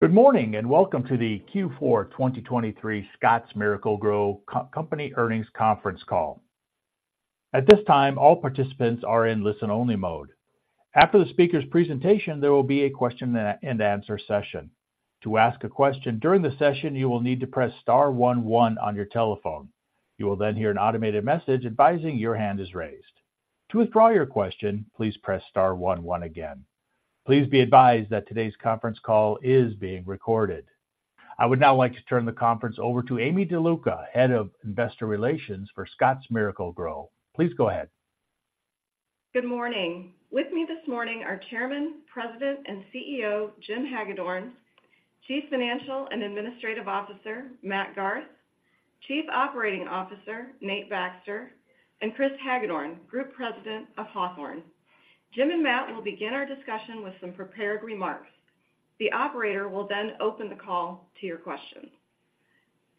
Good morning, and welcome to the Q4 2023 Scotts Miracle-Gro Company Earnings Conference Call. At this time, all participants are in listen-only mode. After the speaker's presentation, there will be a question and answer session. To ask a question during the session, you will need to press star one one on your telephone. You will then hear an automated message advising your hand is raised. To withdraw your question, please press star one one again. Please be advised that today's conference call is being recorded. I would now like to turn the conference over to Aimee DeLuca, Head of Investor Relations for Scotts Miracle-Gro. Please go ahead. Good morning. With me this morning are Chairman, President, and CEO, Jim Hagedorn; Chief Financial and Administrative Officer, Matt Garth; Chief Operating Officer, Nate Baxter; and Chris Hagedorn, Group President of Hawthorne. Jim and Matt will begin our discussion with some prepared remarks. The operator will then open the call to your questions.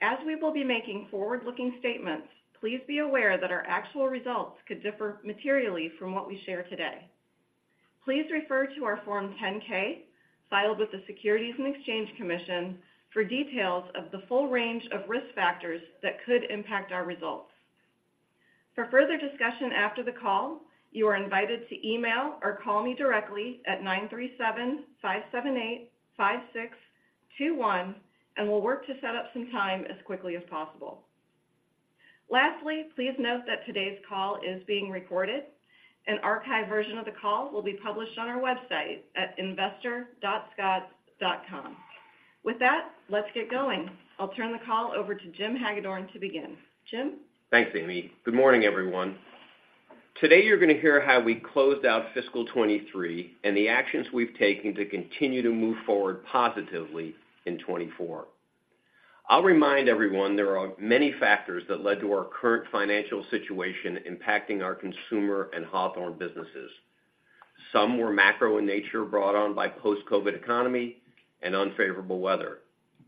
As we will be making forward-looking statements, please be aware that our actual results could differ materially from what we share today. Please refer to our Form 10-K, filed with the Securities and Exchange Commission, for details of the full range of risk factors that could impact our results. For further discussion after the call, you are invited to email or call me directly at 937-578-5621, and we'll work to set up some time as quickly as possible. Lastly, please note that today's call is being recorded. An archived version of the call will be published on our website at investor.scotts.com. With that, let's get going. I'll turn the call over to Jim Hagedorn to begin. Jim? Thanks, Aimee. Good morning, everyone. Today, you're going to hear how we closed out fiscal 2023 and the actions we've taken to continue to move forward positively in 2024. I'll remind everyone, there are many factors that led to our current financial situation impacting our consumer and Hawthorne businesses. Some were macro in nature, brought on by post-COVID economy and unfavorable weather,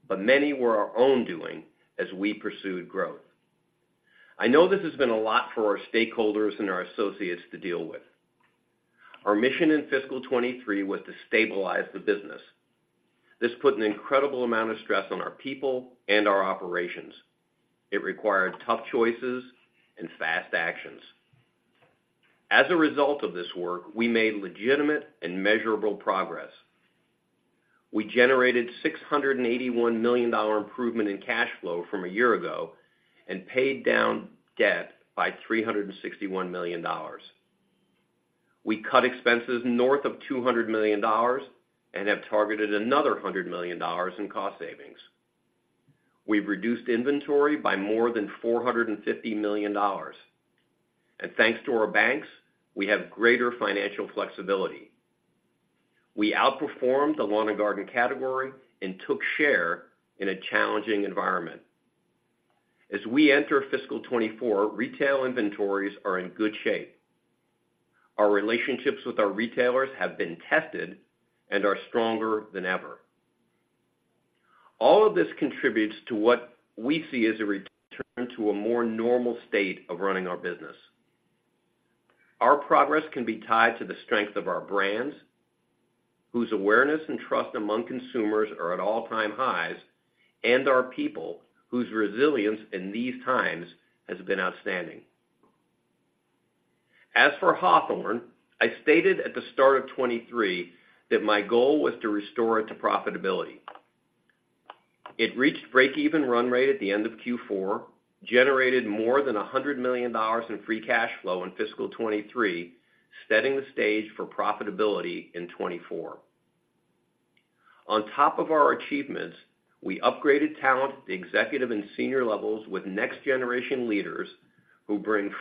but many were our own doing as we pursued growth. I know this has been a lot for our stakeholders and our associates to deal with. Our mission in fiscal 2023 was to stabilize the business. This put an incredible amount of stress on our people and our operations. It required tough choices and fast actions. As a result of this work, we made legitimate and measurable progress. We generated $681 million improvement in cash flow from a year ago and paid down debt by $361 million. We cut expenses north of $200 million and have targeted another $100 million in cost savings. We've reduced inventory by more than $450 million, and thanks to our banks, we have greater financial flexibility. We outperformed the lawn and garden category and took share in a challenging environment. As we enter fiscal 2024, retail inventories are in good shape. Our relationships with our retailers have been tested and are stronger than ever. All of this contributes to what we see as a return to a more normal state of running our business. Our progress can be tied to the strength of our brands, whose awareness and trust among consumers are at all-time highs, and our people, whose resilience in these times has been outstanding. As for Hawthorne, I stated at the start of 2023 that my goal was to restore it to profitability. It reached break-even run rate at the end of Q4, generated more than $100 million in free cash flow in fiscal 2023, setting the stage for profitability in 2024. On top of our achievements, we upgraded talent, the executive and senior levels with next-generation leaders who bring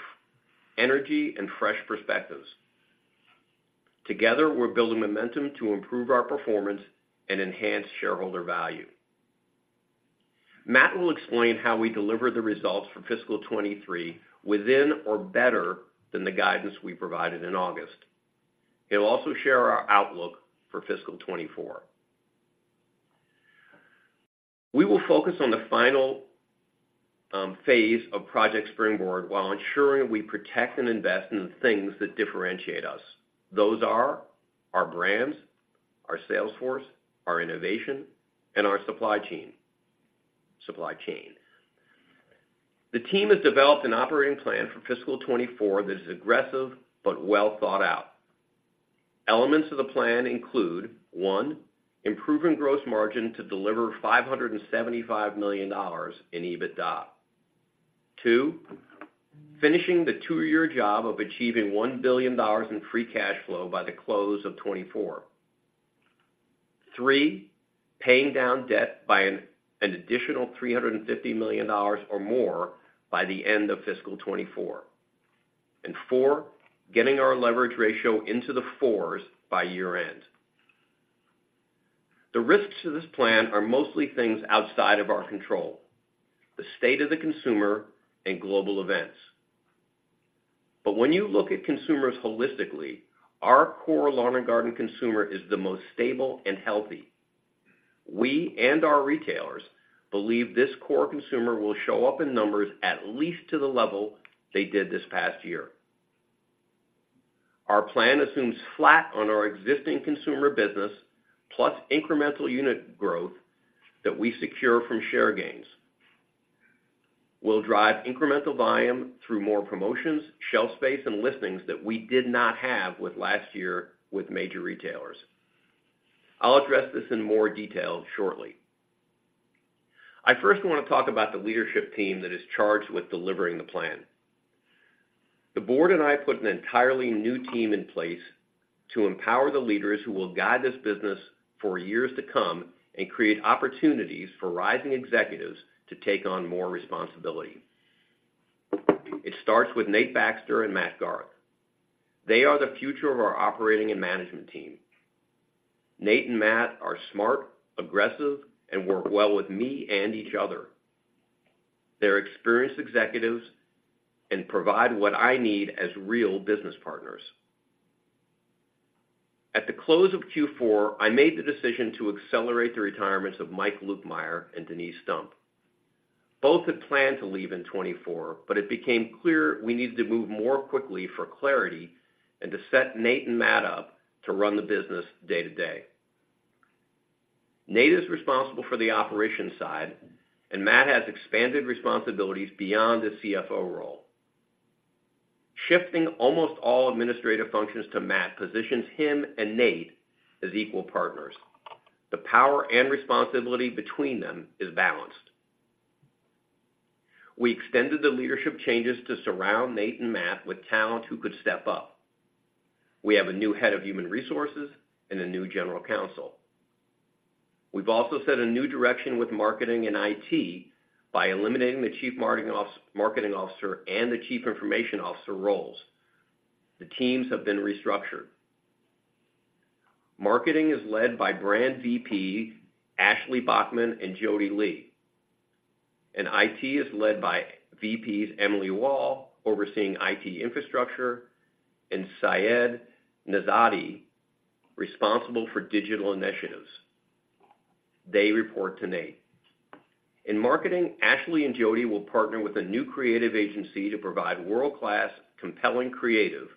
energy and fresh perspectives. Together, we're building momentum to improve our performance and enhance shareholder value. Matt will explain how we deliver the results for fiscal 2023 within or better than the guidance we provided in August. He'll also share our outlook for fiscal 2024. We will focus on the final phase of Project Springboard while ensuring we protect and invest in the things that differentiate us. Those are our brands, our sales force, our innovation, and our supply chain, supply chain. The team has developed an operating plan for fiscal 2024 that is aggressive but well thought out. Elements of the plan include: one, improving gross margin to deliver $575 million in EBITDA. Two, finishing the two-year job of achieving $1 billion in free cash flow by the close of 2024. Three, paying down debt by an additional $350 million or more by the end of fiscal 2024. And four, getting our leverage ratio into the fours by year-end. The risks to this plan are mostly things outside of our control, the state of the consumer and global events. But when you look at consumers holistically, our core lawn and garden consumer is the most stable and healthy. We and our retailers believe this core consumer will show up in numbers, at least to the level they did this past year. Our plan assumes flat on our existing consumer business, plus incremental unit growth that we secure from share gains. We'll drive incremental volume through more promotions, shelf space, and listings that we did not have with last year with major retailers. I'll address this in more detail shortly. I first want to talk about the leadership team that is charged with delivering the plan. The board and I put an entirely new team in place to empower the leaders who will guide this business for years to come and create opportunities for rising executives to take on more responsibility. It starts with Nate Baxter and Matt Garth. They are the future of our operating and management team. Nate and Matt are smart, aggressive, and work well with me and each other. They're experienced executives and provide what I need as real business partners. At the close of Q4, I made the decision to accelerate the retirements of Mike Lukemire and Denise Stump. Both had planned to leave in 2024, but it became clear we needed to move more quickly for clarity and to set Nate and Matt up to run the business day-to-day. Nate is responsible for the operations side, and Matt has expanded responsibilities beyond his CFO role. Shifting almost all administrative functions to Matt positions him and Nate as equal partners. The power and responsibility between them is balanced. We extended the leadership changes to surround Nate and Matt with talent who could step up. We have a new head of human resources and a new general counsel. We've also set a new direction with marketing and IT by eliminating the chief marketing officer and the chief information officer roles. The teams have been restructured. Marketing is led by brand VPs Ashley Bachmann and Jodi Lee, and IT is led by VPs Emily Wall, overseeing IT infrastructure, and Saeed Nezhad, responsible for digital initiatives. They report to Nate. In marketing, Ashley and Jody will partner with a new creative agency to provide world-class, compelling creative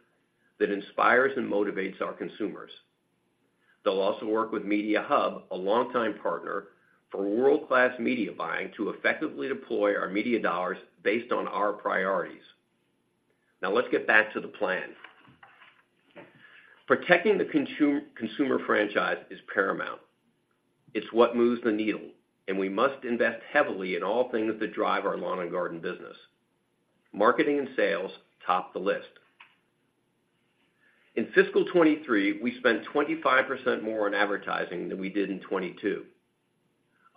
that inspires and motivates our consumers. They'll also work with Mediahub, a longtime partner, for world-class media buying to effectively deploy our media dollars based on our priorities. Now, let's get back to the plan. Protecting the consumer franchise is paramount. It's what moves the needle, and we must invest heavily in all things that drive our lawn and garden business. Marketing and sales top the list. In fiscal 2023, we spent 25% more on advertising than we did in 2022.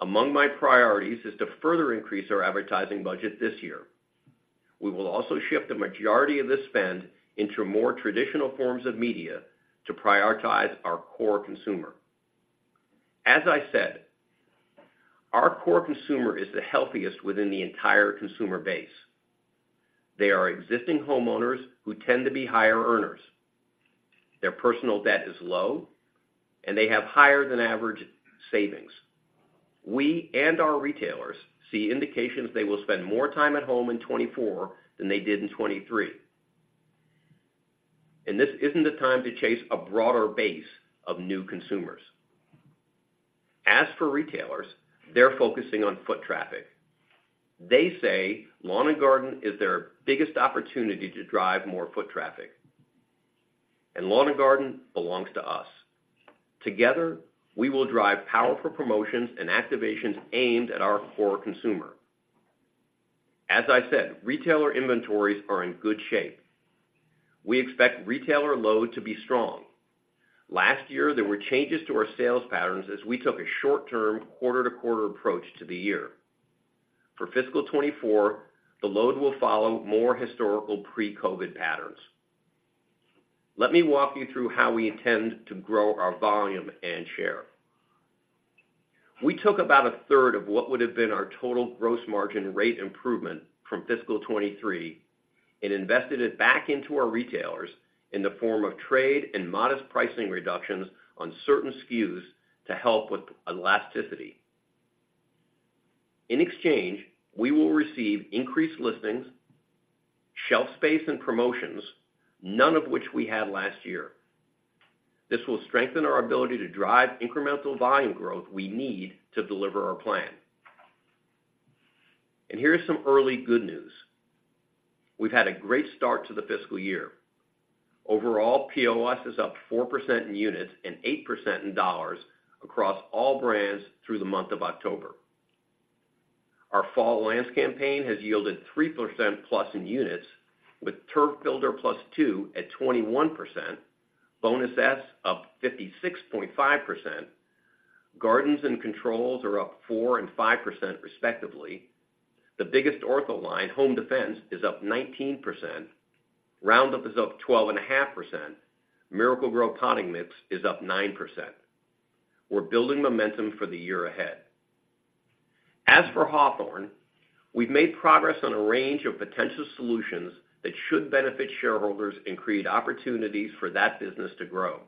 Among my priorities is to further increase our advertising budget this year. We will also shift the majority of this spend into more traditional forms of media to prioritize our core consumer. As I said, our core consumer is the healthiest within the entire consumer base. They are existing homeowners who tend to be higher earners. Their personal debt is low, and they have higher than average savings. We and our retailers see indications they will spend more time at home in 2024 than they did in 2023. And this isn't the time to chase a broader base of new consumers. As for retailers, they're focusing on foot traffic. They say lawn and garden is their biggest opportunity to drive more foot traffic, and lawn and garden belongs to us. Together, we will drive powerful promotions and activations aimed at our core consumer. As I said, retailer inventories are in good shape. We expect retailer load to be strong. Last year, there were changes to our sales patterns as we took a short-term, quarter-to-quarter approach to the year. For fiscal 2024, the load will follow more historical pre-COVID patterns. Let me walk you through how we intend to grow our volume and share. We took about a third of what would have been our total gross margin rate improvement from fiscal 2023 and invested it back into our retailers in the form of trade and modest pricing reductions on certain SKUs to help with elasticity. In exchange, we will receive increased listings, shelf space, and promotions, none of which we had last year. This will strengthen our ability to drive incremental volume growth we need to deliver our plan. Here's some early good news. We've had a great start to the fiscal year. Overall, POS is up 4% in units and 8% in dollars across all brands through the month of October. Our fall lawns campaign has yielded 3%+ in units, with Turf Builder Plus 2 at 21%, Bonus S up 56.5%. Gardens and Controls are up 4% and 5%, respectively. The biggest Ortho line, Home Defense, is up 19%. Roundup is up 12.5%. Miracle-Gro Potting Mix is up 9%. We're building momentum for the year ahead. As for Hawthorne, we've made progress on a range of potential solutions that should benefit shareholders and create opportunities for that business to grow.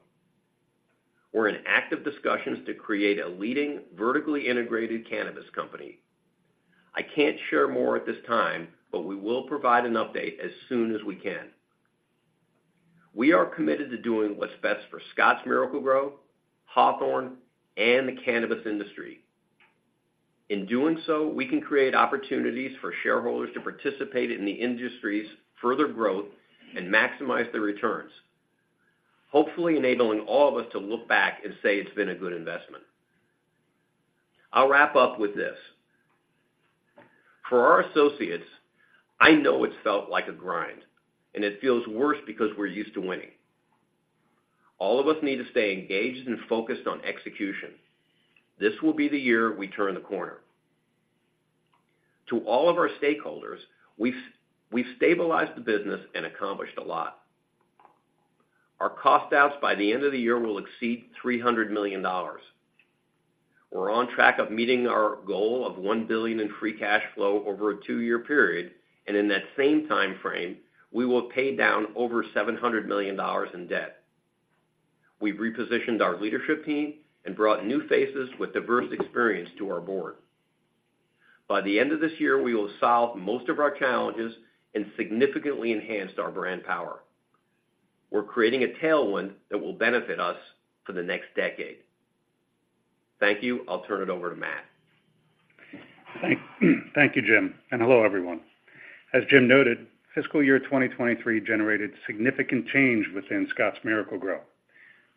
We're in active discussions to create a leading vertically integrated cannabis company. I can't share more at this time, but we will provide an update as soon as we can. We are committed to doing what's best for Scotts Miracle-Gro, Hawthorne, and the cannabis industry. In doing so, we can create opportunities for shareholders to participate in the industry's further growth and maximize their returns, hopefully enabling all of us to look back and say it's been a good investment. I'll wrap up with this. For our associates, I know it's felt like a grind, and it feels worse because we're used to winning. All of us need to stay engaged and focused on execution. This will be the year we turn the corner. To all of our stakeholders, we've stabilized the business and accomplished a lot. Our cost outs by the end of the year will exceed $300 million. We're on track of meeting our goal of $1 billion in free cash flow over a 2-year period, and in that same time frame, we will pay down over $700 million in debt. We've repositioned our leadership team and brought new faces with diverse experience to our board. By the end of this year, we will have solved most of our challenges and significantly enhanced our brand power. We're creating a tailwind that will benefit us for the next decade. Thank you. I'll turn it over to Matt. Thank you, Jim, and hello, everyone. As Jim noted, fiscal year 2023 generated significant change within Scotts Miracle-Gro.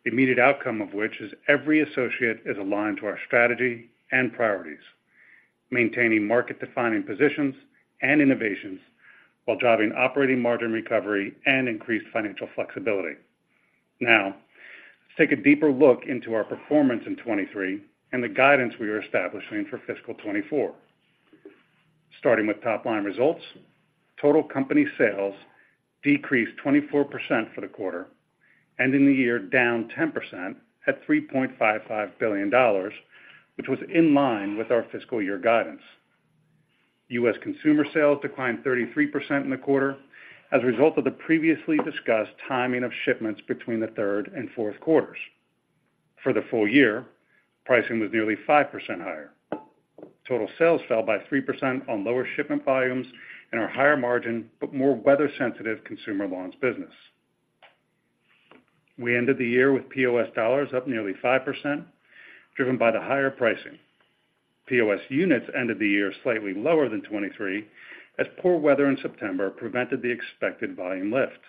The immediate outcome of which is every associate is aligned to our strategy and priorities, maintaining market-defining positions and innovations while driving operating margin recovery and increased financial flexibility. Now, let's take a deeper look into our performance in 2023 and the guidance we are establishing for fiscal 2024. Starting with top-line results, total company sales decreased 24% for the quarter, and in the year, down 10% at $3.55 billion, which was in line with our fiscal year guidance. US consumer sales declined 33% in the quarter as a result of the previously discussed timing of shipments between the third and fourth quarters. For the full year, pricing was nearly 5% higher. Total sales fell by 3% on lower shipment volumes and our higher margin, but more weather-sensitive consumer lawns business. We ended the year with POS dollars up nearly 5%, driven by the higher pricing. POS units ended the year slightly lower than 23%, as poor weather in September prevented the expected volume lift.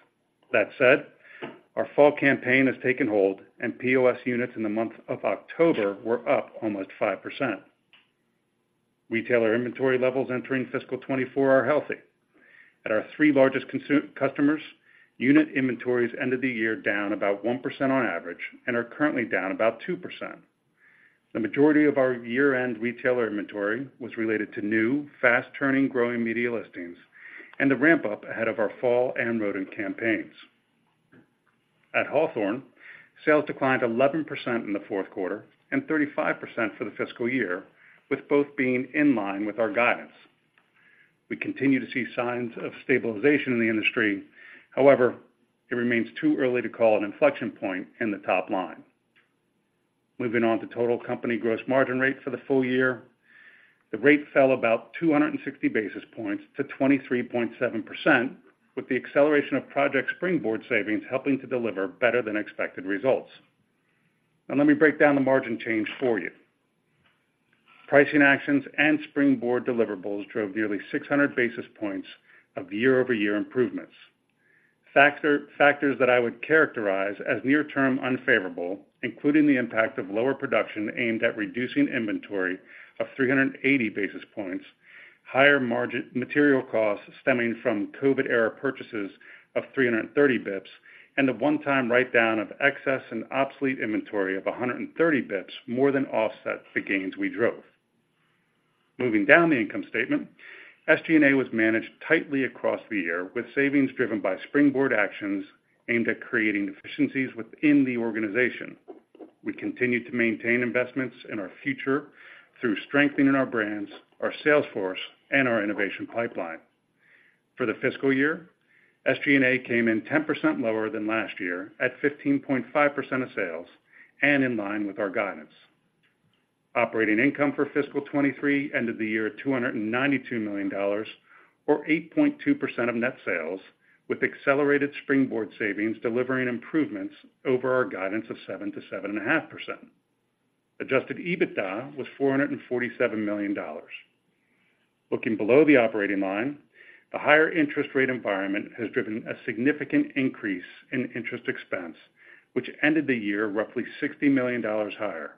That said, our fall campaign has taken hold, and POS units in the month of October were up almost 5%. Retailer inventory levels entering fiscal 2024 are healthy. At our three largest customers, unit inventories ended the year down about 1% on average and are currently down about 2%. The majority of our year-end retailer inventory was related to new, fast-turning, growing media listings and the ramp-up ahead of our fall and rodent campaigns. At Hawthorne, sales declined 11% in the fourth quarter and 35% for the fiscal year, with both being in line with our guidance. We continue to see signs of stabilization in the industry. However, it remains too early to call an inflection point in the top line. Moving on to total company gross margin rate for the full year, the rate fell about 260 basis points to 23.7%, with the acceleration of Project Springboard savings helping to deliver better than expected results. Now, let me break down the margin change for you. Pricing actions and Springboard deliverables drove nearly 600 basis points of year-over-year improvements. Factors that I would characterize as near-term unfavorable, including the impact of lower production aimed at reducing inventory of 380 basis points, higher-margin material costs stemming from COVID-era purchases of 330 basis points, and a one-time write-down of excess and obsolete inventory of 130 basis points more than offset the gains we drove. Moving down the income statement, SG&A was managed tightly across the year, with savings driven by Springboard actions aimed at creating efficiencies within the organization. We continued to maintain investments in our future through strengthening our brands, our sales force, and our innovation pipeline. For the fiscal year, SG&A came in 10% lower than last year at 15.5% of sales and in line with our guidance. Operating income for fiscal 2023 ended the year at $292 million, or 8.2% of net sales, with accelerated Springboard savings delivering improvements over our guidance of 7%-7.5%. Adjusted EBITDA was $447 million. Looking below the operating line, the higher interest rate environment has driven a significant increase in interest expense, which ended the year roughly $60 million higher.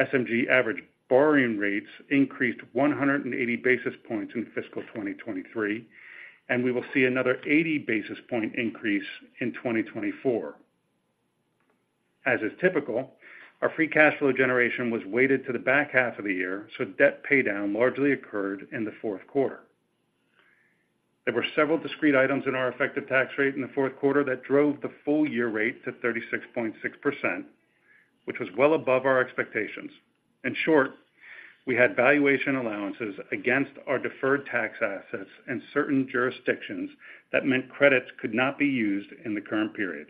SMG average borrowing rates increased 180 basis points in fiscal 2023, and we will see another 80 basis point increase in 2024. As is typical, our free cash flow generation was weighted to the back half of the year, so debt paydown largely occurred in the fourth quarter. There were several discrete items in our effective tax rate in the fourth quarter that drove the full-year rate to 36.6%, which was well above our expectations. In short, we had valuation allowances against our deferred tax assets in certain jurisdictions that meant credits could not be used in the current period.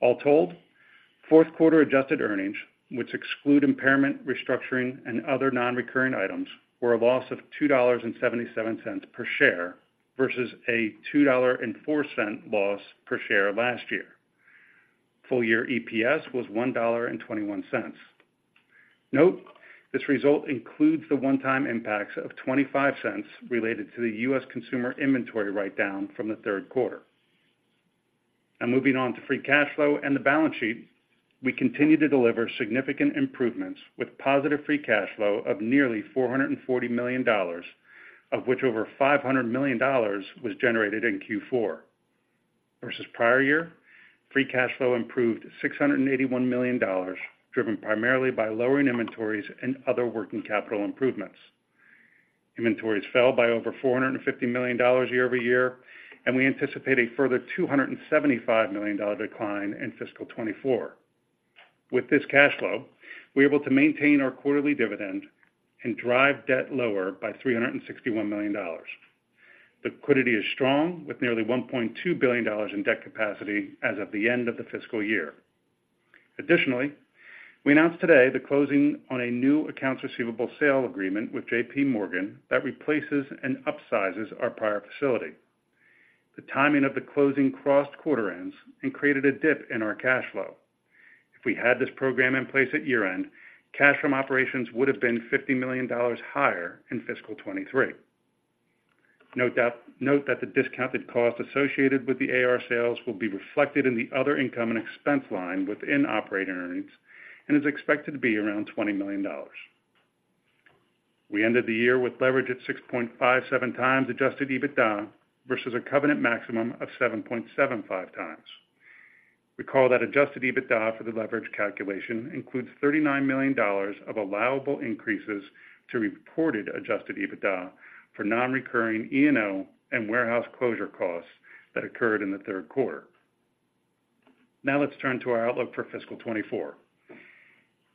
All told, fourth quarter adjusted earnings, which exclude impairment, restructuring, and other non-recurring items, were a loss of $2.77 per share versus a $2.04 loss per share last year. Full year EPS was $1.21. Note, this result includes the one-time impacts of $0.25 related to the US consumer inventory write-down from the third quarter. Now moving on to free cash flow and the balance sheet, we continue to deliver significant improvements with positive free cash flow of nearly $440 million, of which over $500 million was generated in Q4. Versus prior year, free cash flow improved $681 million, driven primarily by lowering inventories and other working capital improvements. Inventories fell by over $450 million year-over-year, and we anticipate a further $275 million decline in fiscal 2024. With this cash flow, we're able to maintain our quarterly dividend and drive debt lower by $361 million. Liquidity is strong, with nearly $1.2 billion in debt capacity as of the end of the fiscal year. Additionally, we announced today the closing on a new accounts receivable sale agreement with JPMorgan that replaces and upsizes our prior facility. The timing of the closing crossed quarter ends and created a dip in our cash flow. If we had this program in place at year-end, cash from operations would have been $50 million higher in fiscal 2023. Note that the discounted cost associated with the AR sales will be reflected in the other income and expense line within operating earnings and is expected to be around $20 million. We ended the year with leverage at 6.57x adjusted EBITDA, versus a covenant maximum of 7.75x. Recall that adjusted EBITDA for the leverage calculation includes $39 million of allowable increases to reported adjusted EBITDA for non-recurring E&O and warehouse closure costs that occurred in the third quarter. Now, let's turn to our outlook for fiscal 2024.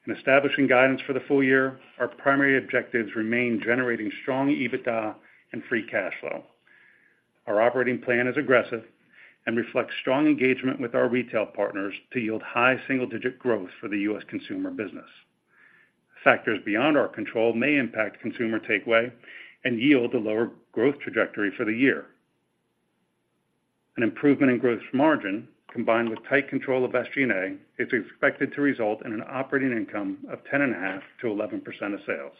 In establishing guidance for the full year, our primary objectives remain generating strong EBITDA and free cash flow. Our operating plan is aggressive and reflects strong engagement with our retail partners to yield high single-digit growth for the US consumer business. Factors beyond our control may impact consumer takeaway and yield a lower growth trajectory for the year. An improvement in growth margin, combined with tight control of SG&A, is expected to result in an operating income of 10.5%-11% of sales.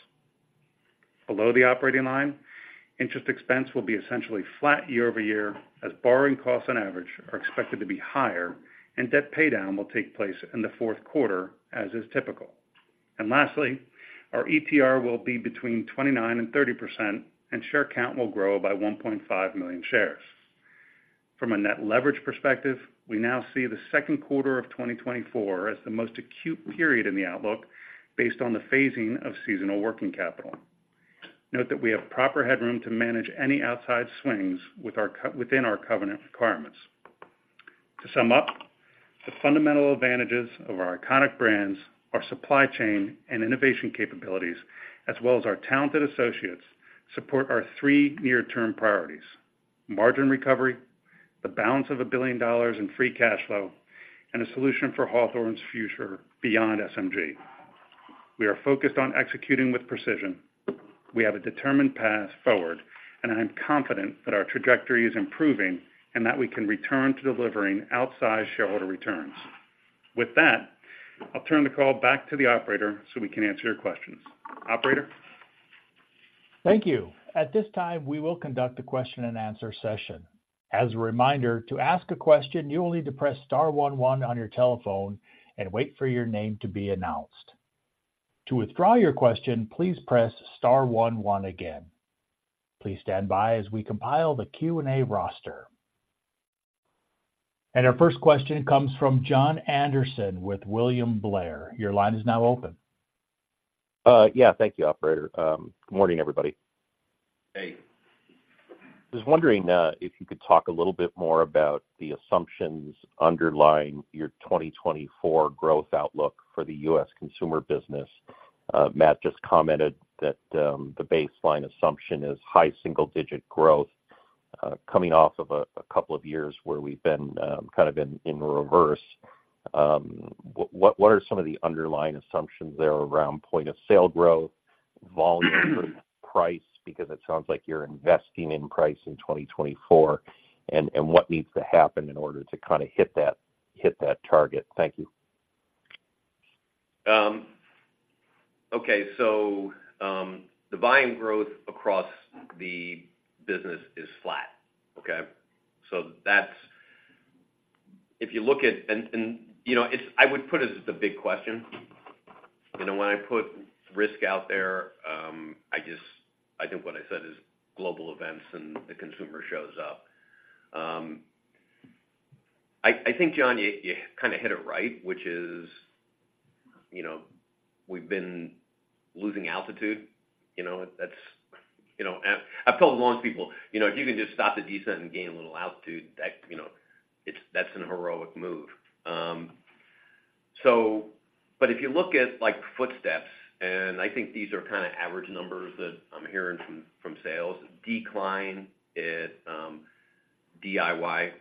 Below the operating line, interest expense will be essentially flat year over year, as borrowing costs on average are expected to be higher and debt paydown will take place in the fourth quarter, as is typical. Lastly, our ETR will be between 29% and 30%, and share count will grow by 1.5 million shares. From a net leverage perspective, we now see the second quarter of 2024 as the most acute period in the outlook based on the phasing of seasonal working capital. Note that we have proper headroom to manage any outside swings with our within our covenant requirements. To sum up, the fundamental advantages of our iconic brands, our supply chain and innovation capabilities, as well as our talented associates, support our three near-term priorities: margin recovery, the balance of $1 billion in free cash flow, and a solution for Hawthorne's future beyond SMG. We are focused on executing with precision. We have a determined path forward, and I'm confident that our trajectory is improving and that we can return to delivering outsized shareholder returns. With that, I'll turn the call back to the operator so we can answer your questions. Operator? Thank you. At this time, we will conduct a question-and-answer session. As a reminder, to ask a question, you will need to press star one one on your telephone and wait for your name to be announced. To withdraw your question, please press star one one again. Please stand by as we compile the Q&A roster. Our first question comes from Jon Andersen with William Blair. Your line is now open. Yeah, thank you, operator. Good morning, everybody. Hey. Just wondering if you could talk a little bit more about the assumptions underlying your 2024 growth outlook for the US consumer business. Matt just commented that the baseline assumption is high single-digit growth, coming off of a couple of years where we've been kind of in reverse. What are some of the underlying assumptions there around point of sale growth, volume, price? Because it sounds like you're investing in price in 2024. And what needs to happen in order to kind of hit that target? Thank you. Okay. So, the volume growth across the business is flat. Okay? So that's... If you look at—and, you know, it's, I would put it as the big question. You know, when I put risk out there, I just—I think what I said is global events and the consumer shows up. I, I think, Jon, you, you kinda hit it right, which is, you know, we've been losing altitude. You know, that's- ... You know, and I've told lawn people, you know, if you can just stop the descent and gain a little altitude, that, you know, it's—that's a heroic move. So, but if you look at, like, footsteps, and I think these are kind of average numbers that I'm hearing from, from sales, decline at DIY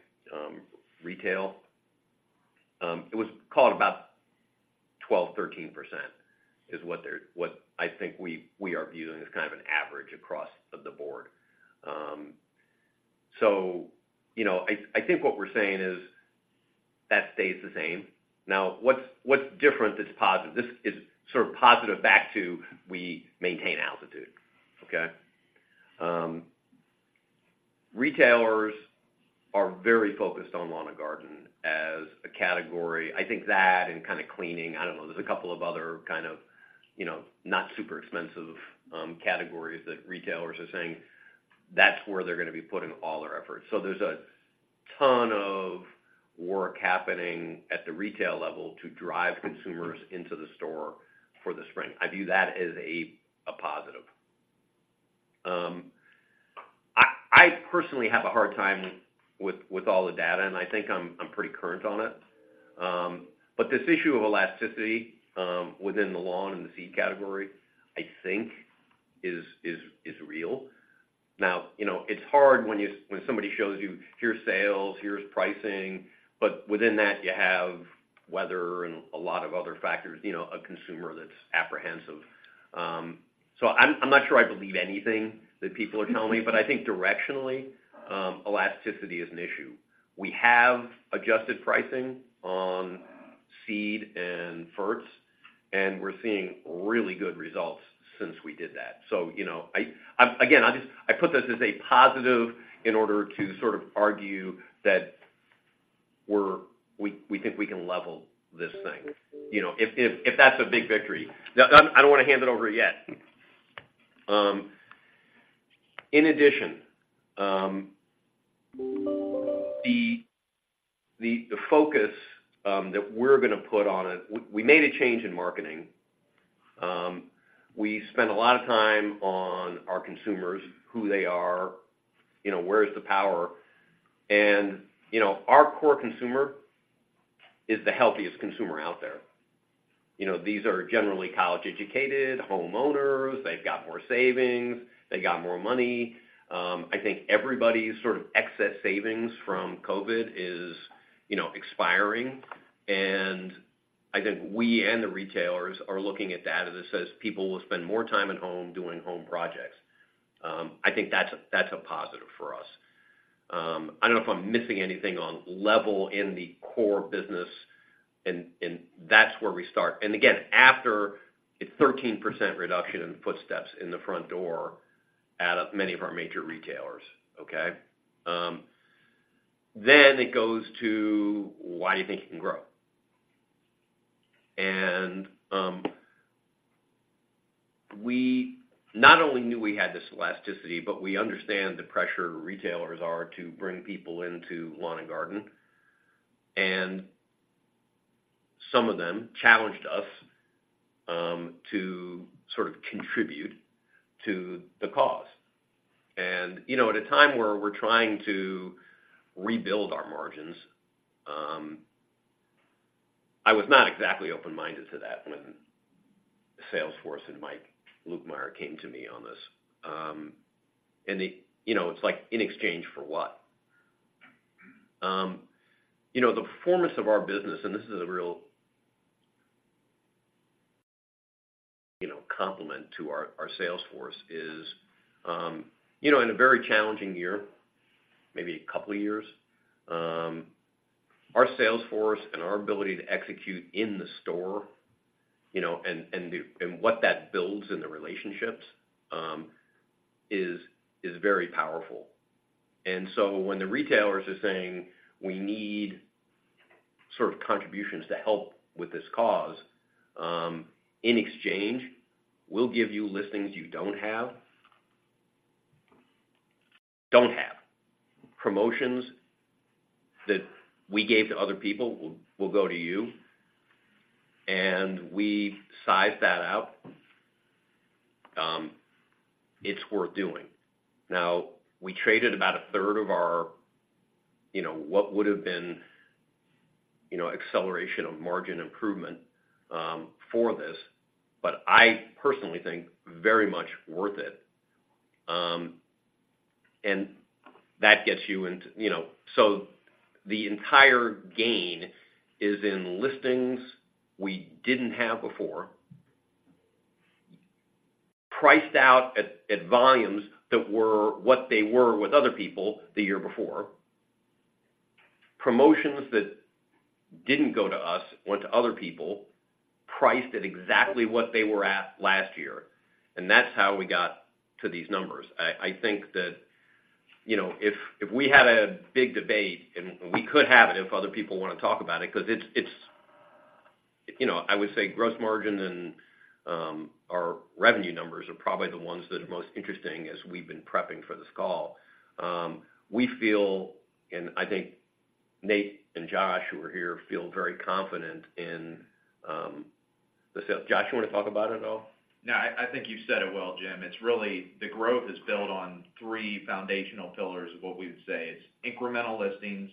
retail, it was called about 12%-13% is what they're—what I think we, we are viewing as kind of an average across the board. So, you know, I, I think what we're saying is that stays the same. Now, what's, what's different is positive. This is sort of positive back to we maintain altitude. Okay? Retailers are very focused on lawn and garden as a category. I think that and kind of cleaning, I don't know, there's a couple of other kind of, you know, not super expensive categories that retailers are saying that's where they're gonna be putting all their efforts. So there's a ton of work happening at the retail level to drive consumers into the store for the spring. I view that as a positive. I personally have a hard time with all the data, and I think I'm pretty current on it. But this issue of elasticity within the lawn and the seed category, I think is real. Now, you know, it's hard when somebody shows you, Here's sales, here's pricing, but within that, you have weather and a lot of other factors, you know, a consumer that's apprehensive. So I'm not sure I believe anything that people are telling me, but I think directionally, elasticity is an issue. We have adjusted pricing on seed and ferts, and we're seeing really good results since we did that. So, you know, again, I just put this as a positive in order to sort of argue that we think we can level this thing, you know, if that's a big victory. Now, I don't want to hand it over yet. In addition, the focus that we're gonna put on it. We made a change in marketing. We spent a lot of time on our consumers, who they are, you know, where is the power? And, you know, our core consumer is the healthiest consumer out there. You know, these are generally college-educated homeowners. They've got more savings, they got more money. I think everybody's sort of excess savings from COVID is, you know, expiring, and I think we and the retailers are looking at data that says people will spend more time at home doing home projects. I think that's, that's a positive for us. I don't know if I'm missing anything on level in the core business, and that's where we start. And again, after a 13% reduction in footsteps in the front door out of many of our major retailers, okay? Then it goes to, why do you think you can grow? And we not only knew we had this elasticity, but we understand the pressure retailers are to bring people into lawn and garden, and some of them challenged us to sort of contribute to the cause. You know, at a time where we're trying to rebuild our margins, I was not exactly open-minded to that when the sales force and Mike Lukemire came to me on this. And they, you know, it's like, in exchange for what? You know, the performance of our business, and this is a real, you know, compliment to our, our sales force, is, you know, in a very challenging year, maybe a couple of years, our sales force and our ability to execute in the store, you know, and, and the and what that builds in the relationships, is, is very powerful. And so when the retailers are saying, "We need sort of contributions to help with this cause, in exchange, we'll give you listings you don't have. Promotions that we gave to other people will go to us," and we sized that out, it's worth doing. Now, we traded about a third of our, you know, what would have been, you know, acceleration of margin improvement, for this, but I personally think very much worth it. And that gets you into, you know... So the entire gain is in listings we didn't have before, priced out at volumes that were what they were with other people the year before. Promotions that didn't go to us went to other people, priced at exactly what they were at last year, and that's how we got to these numbers. I think that, you know, if we had a big debate, and we could have it if other people want to talk about it, because it's, you know, I would say gross margin and our revenue numbers are probably the ones that are most interesting as we've been prepping for this call. We feel, and I think Nate and Josh, who are here, feel very confident in,... The sales. Joshua, want to talk about it at all? No, I think you said it well, Jim. It's really the growth is built on three foundational pillars of what we would say. It's incremental listings,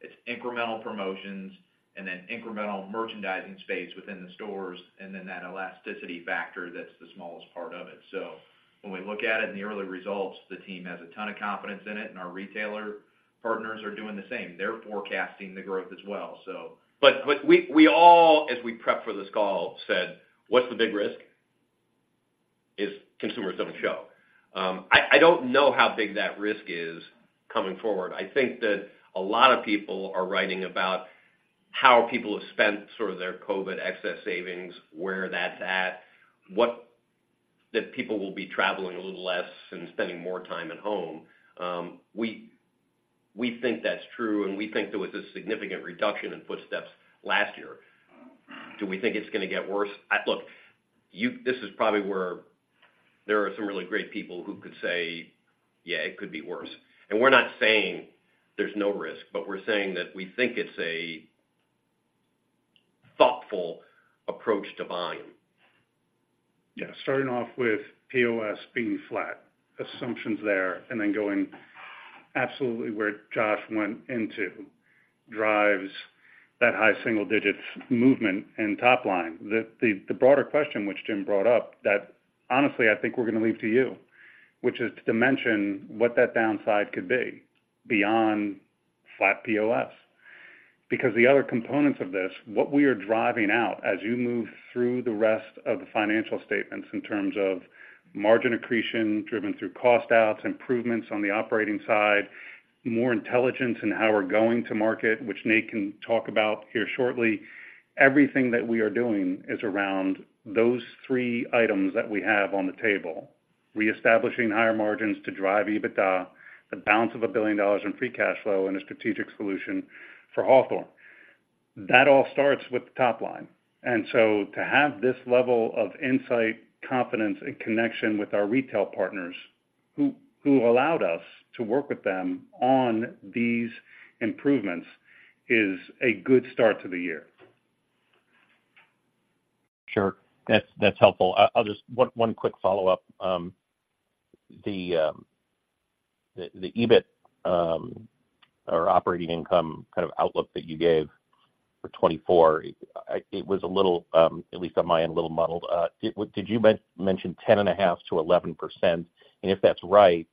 it's incremental promotions, and then incremental merchandising space within the stores, and then that elasticity factor, that's the smallest part of it. So when we look at it in the early results, the team has a ton of confidence in it, and our retailer partners are doing the same. They're forecasting the growth as well, so. But we all, as we prepped for this call, said: What's the big risk? Is consumers don't show. I don't know how big that risk is coming forward. I think that a lot of people are writing about how people have spent sort of their COVID excess savings, where that's at, what, that people will be traveling a little less and spending more time at home. We think that's true, and we think there was a significant reduction in footsteps last year. Do we think it's gonna get worse? Look, you, this is probably where there are some really great people who could say, "Yeah, it could be worse." And we're not saying there's no risk, but we're saying that we think it's a thoughtful approach to volume. Yeah, starting off with POS being flat, assumptions there, and then going absolutely where Josh went into, drives that high single digits movement and top line. The broader question, which Jim brought up, that honestly, I think we're gonna leave to you, which is to dimension what that downside could be beyond flat POS. Because the other components of this, what we are driving out as you move through the rest of the financial statements in terms of margin accretion, driven through cost outs, improvements on the operating side, more intelligence in how we're going to market, which Nate can talk about here shortly. Everything that we are doing is around those three items that we have on the table. Reestablishing higher margins to drive EBITDA, the balance of $1 billion in free cash flow, and a strategic solution for Hawthorne. That all starts with the top line. And so to have this level of insight, confidence, and connection with our retail partners, who allowed us to work with them on these improvements, is a good start to the year. Sure, that's helpful. I'll just one quick follow-up. The EBITDA or operating income kind of outlook that you gave for 2024, it was a little, at least on my end, a little muddled. Did you mention 10.5%-11%? And if that's right,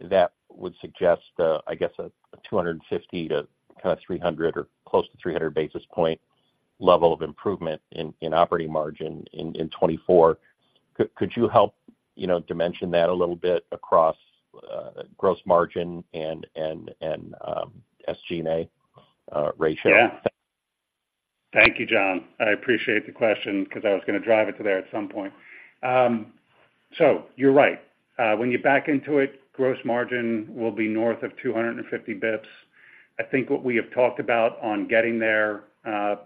that would suggest, I guess a 250 to kind of 300 or close to 300 basis point level of improvement in operating margin in 2024. Could you help, you know, dimension that a little bit across gross margin and SG&A ratio? Yeah. Thank you, Jon. I appreciate the question because I was gonna drive it to there at some point. So you're right. When you back into it, gross margin will be north of 250 basis points. I think what we have talked about on getting there,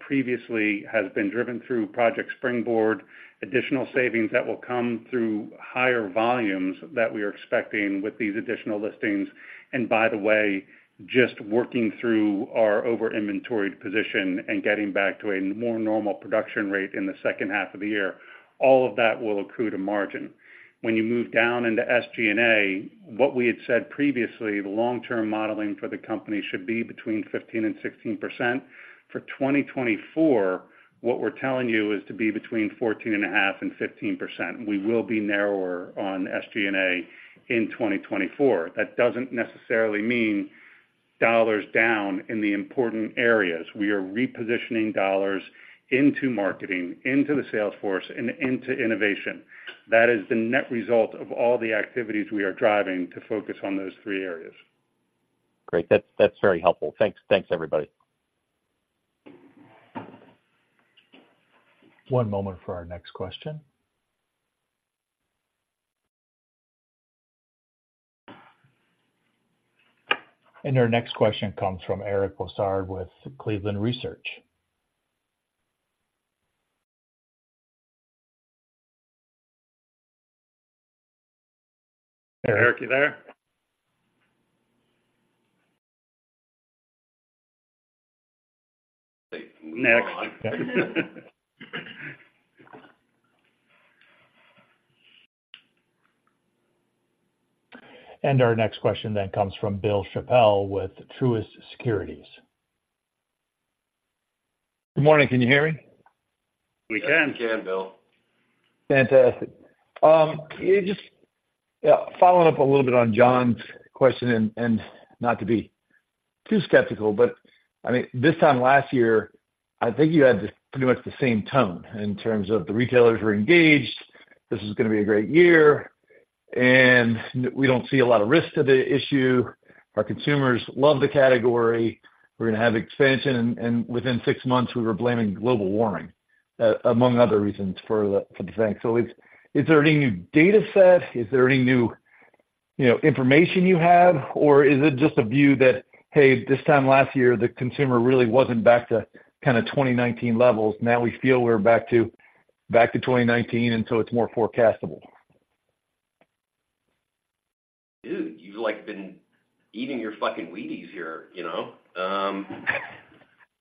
previously, has been driven through Project Springboard, additional savings that will come through higher volumes that we are expecting with these additional listings. And by the way, just working through our over-inventoried position and getting back to a more normal production rate in the second half of the year, all of that will accrue to margin. When you move down into SG&A, what we had said previously, the long-term modeling for the company should be between 15% and 16%. For 2024, what we're telling you is to be between 14.5% and 15%. We will be narrower on SG&A in 2024. That doesn't necessarily mean dollars down in the important areas. We are repositioning dollars into marketing, into the sales force, and into innovation. That is the net result of all the activities we are driving to focus on those three areas. Great. That's, that's very helpful. Thanks. Thanks, everybody. One moment for our next question. Our next question comes from Eric Bosshard with Cleveland Research. Hey, Eric, you there? Next. Our next question then comes from Bill Chappell with Truist Securities. Good morning. Can you hear me? We can. We can, Bill. Fantastic. Just, yeah, following up a little bit on Jon's question, and not to be too skeptical, but I mean, this time last year, I think you had pretty much the same tone in terms of the retailers were engaged, this is gonna be a great year, and we don't see a lot of risk to the issue. Our consumers love the category. We're gonna have expansion, and within six months, we were blaming global warming, among other reasons for the, for the thing. So is there any new data set? Is there any new, you know, information you have? Or is it just a view that, hey, this time last year, the consumer really wasn't back to kind of 2019 levels, now we feel we're back to, back to 2019, and so it's more forecastable?... Dude, you've, like, been eating your Wheaties here, you know?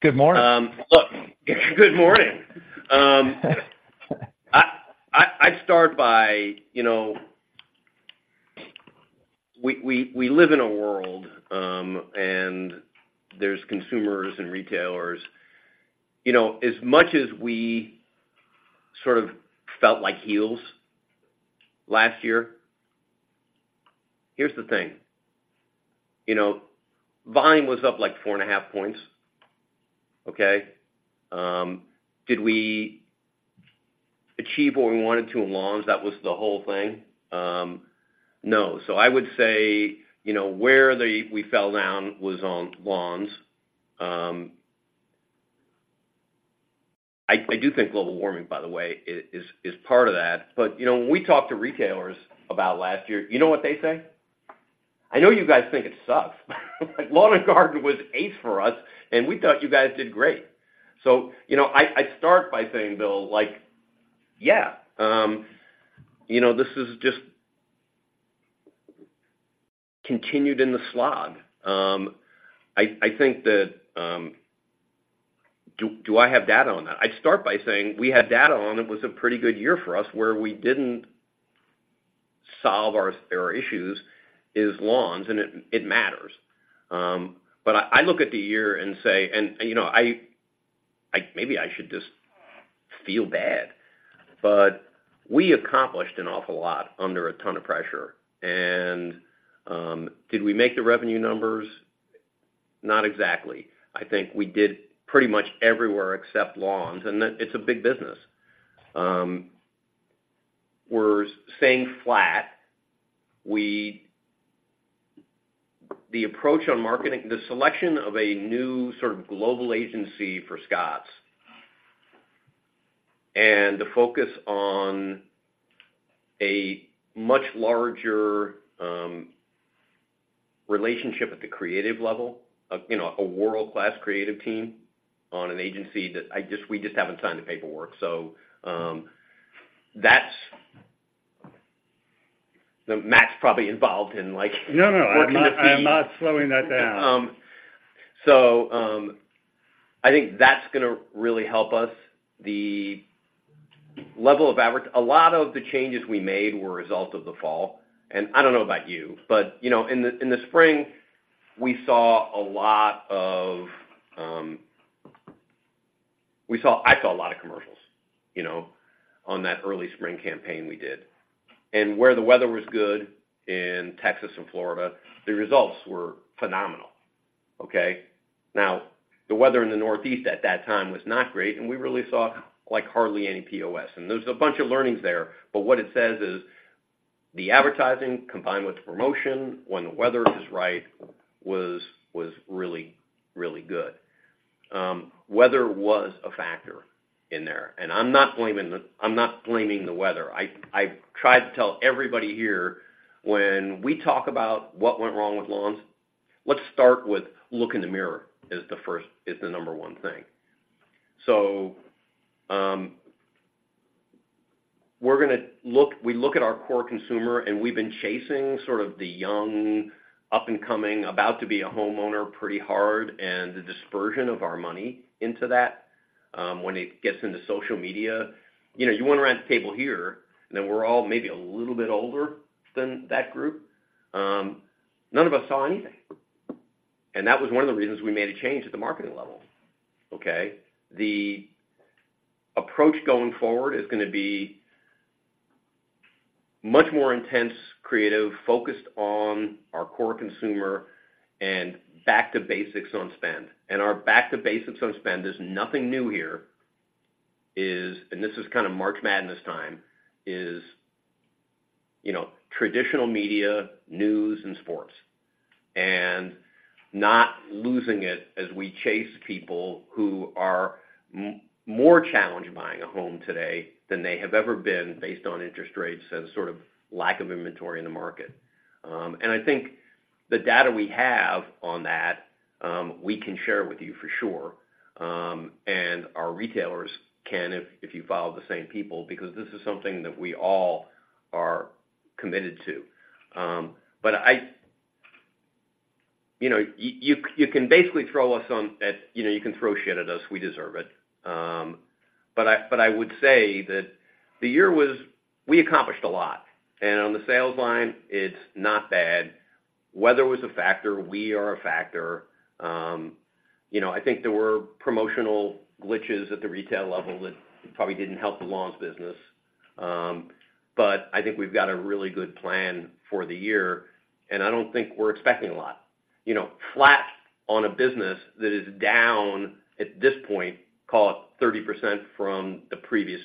Good morning. Look, good morning. I'd start by, you know, we live in a world, and there's consumers and retailers. You know, as much as we sort of felt like heels last year, here's the thing: you know, volume was up, like, 4.5 points, okay? Did we achieve what we wanted to in lawns? That was the whole thing. No. So I would say, you know, where we fell down was on lawns. I do think global warming, by the way, is part of that. But, you know, when we talk to retailers about last year, you know what they say? I know you guys think it, but lawn and garden was ace for us, and we thought you guys did great." So, you know, I'd start by saying, Bill, like, yeah, you know, this is just continued in the slog. I think that... Do I have data on that? I'd start by saying we had data on it was a pretty good year for us where we didn't solve our issues as lawns, and it matters. But I look at the year and say... You know, I maybe should just feel bad, but we accomplished an awful lot under a ton of pressure. Did we make the revenue numbers? Not exactly. I think we did pretty much everywhere except lawns, and that it's a big business. We're staying flat. The approach on marketing, the selection of a new sort of global agency for Scotts and the focus on a much larger relationship at the creative level of, you know, a world-class creative team on an agency that we just haven't signed the paperwork. So, that's... Matt's probably involved in, like, working the- No, no, I'm not, I'm not slowing that down. So, I think that's gonna really help us. A lot of the changes we made were a result of the fall, and I don't know about you, but, you know, in the spring, we saw a lot of I saw a lot of commercials, you know, on that early spring campaign we did. And where the weather was good in Texas and Florida, the results were phenomenal, okay? Now, the weather in the Northeast at that time was not great, and we really saw, like, hardly any POS, and there's a bunch of learnings there. But what it says is, the advertising combined with the promotion when the weather is right, was, was really, really good. Weather was a factor in there, and I'm not blaming the weather. I tried to tell everybody here, when we talk about what went wrong with lawns, let's start with look in the mirror is the number one thing. So, we're gonna look at our core consumer, and we've been chasing sort of the young, up-and-coming, about to be a homeowner pretty hard, and the dispersion of our money into that, when it gets into social media. You know, you went around the table here, and then we're all maybe a little bit older than that group. None of us saw anything, and that was one of the reasons we made a change at the marketing level, okay? The approach going forward is gonna be much more intense, creative, focused on our core consumer and back to basics on spend. And our back to basics on spend, there's nothing new here, and this is kind of March time, you know, traditional media, news and sports. And not losing it as we chase people who are more challenged buying a home today than they have ever been based on interest rates and sort of lack of inventory in the market. And I think the data we have on that, we can share with you for sure, and our retailers can if you follow the same people, because this is something that we all are committed to. But you know, you can basically throw us on at. You know, you can throw at us, we deserve it. But I would say that the year was, we accomplished a lot, and on the sales line, it's not bad. Weather was a factor. We are a factor. You know, I think there were promotional glitches at the retail level that probably didn't help the lawns business. But I think we've got a really good plan for the year, and I don't think we're expecting a lot. You know, flat on a business that is down, at this point, call it 30% from the previous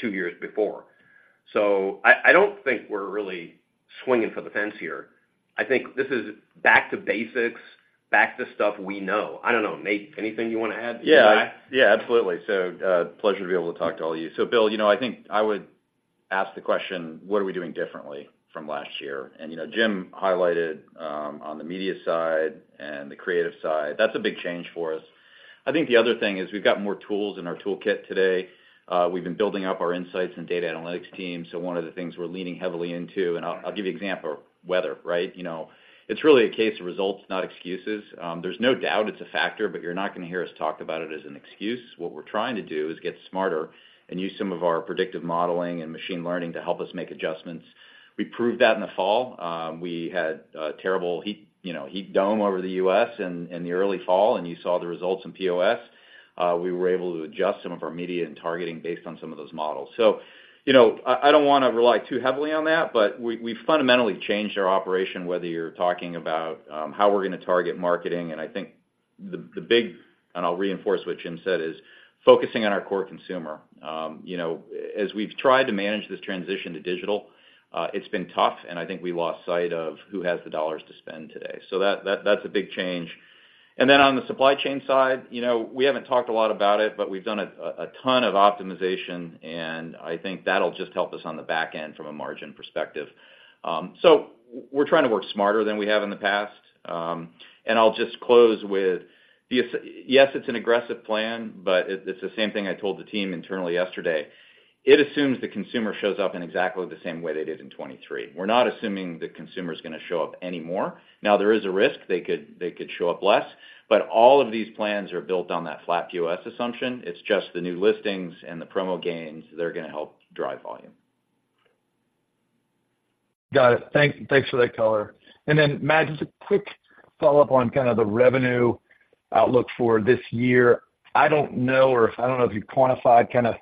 two years before. So I don't think we're really swinging for the fence here. I think this is back to basics, back to stuff we know. I don't know, Nate, anything you want to add to that? Yeah. Yeah, absolutely. So, pleasure to be able to talk to all of you. So, Bill, you know, I think ask the question, what are we doing differently from last year? And, you know, Jim highlighted, on the media side and the creative side, that's a big change for us. I think the other thing is we've got more tools in our toolkit today. We've been building up our insights and data analytics team, so one of the things we're leaning heavily into, and I'll, I'll give you an example. Weather, right? You know, it's really a case of results, not excuses. There's no doubt it's a factor, but you're not gonna hear us talk about it as an excuse. What we're trying to do is get smarter and use some of our predictive modeling and machine learning to help us make adjustments. We proved that in the fall. We had a terrible heat, you know, heat dome over the U.S. in, in the early fall, and you saw the results in POS. We were able to adjust some of our media and targeting based on some of those models. So, you know, I, I don't wanna rely too heavily on that, but we, we've fundamentally changed our operation, whether you're talking about, how we're gonna target marketing. And I think the, the big... And I'll reinforce what Jim said, is focusing on our core consumer. You know, as we've tried to manage this transition to digital, it's been tough, and I think we lost sight of who has the dollars to spend today. So that, that, that's a big change. And then on the supply chain side, you know, we haven't talked a lot about it, but we've done a ton of optimization, and I think that'll just help us on the back end from a margin perspective. So we're trying to work smarter than we have in the past. And I'll just close with, yes, it's an aggressive plan, but it's the same thing I told the team internally yesterday. It assumes the consumer shows up in exactly the same way they did in 2023. We're not assuming the consumer is gonna show up anymore. Now, there is a risk they could show up less, but all of these plans are built on that flat POS assumption. It's just the new listings and the promo gains, they're gonna help drive volume. Got it. Thanks for that color. And then, Matt, just a quick follow-up on kind of the revenue outlook for this year. I don't know if you quantified kind of...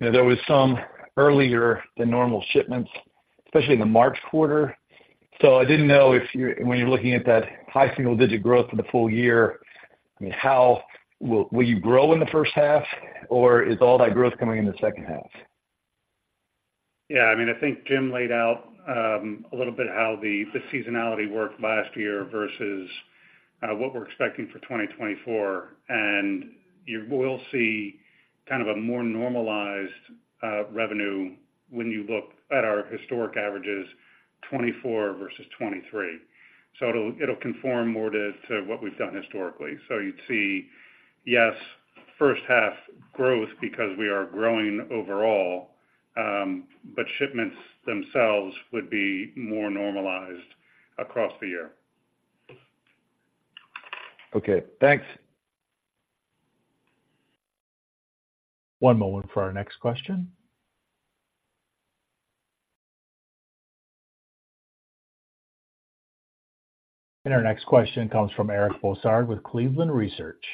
You know, there was some earlier than normal shipments, especially in the March quarter. So I didn't know if you- when you're looking at that high single-digit growth for the full year, I mean, how- will you grow in the first half, or is all that growth coming in the second half? Yeah, I mean, I think Jim laid out a little bit how the, the seasonality worked last year versus what we're expecting for 2024. And you will see kind of a more normalized revenue when you look at our historic averages, 2024 versus 2023. So it'll, it'll conform more to, to what we've done historically. So you'd see, yes, first half growth because we are growing overall, but shipments themselves would be more normalized across the year. Okay, thanks. One moment for our next question. Our next question comes from Eric Bosshard with Cleveland Research.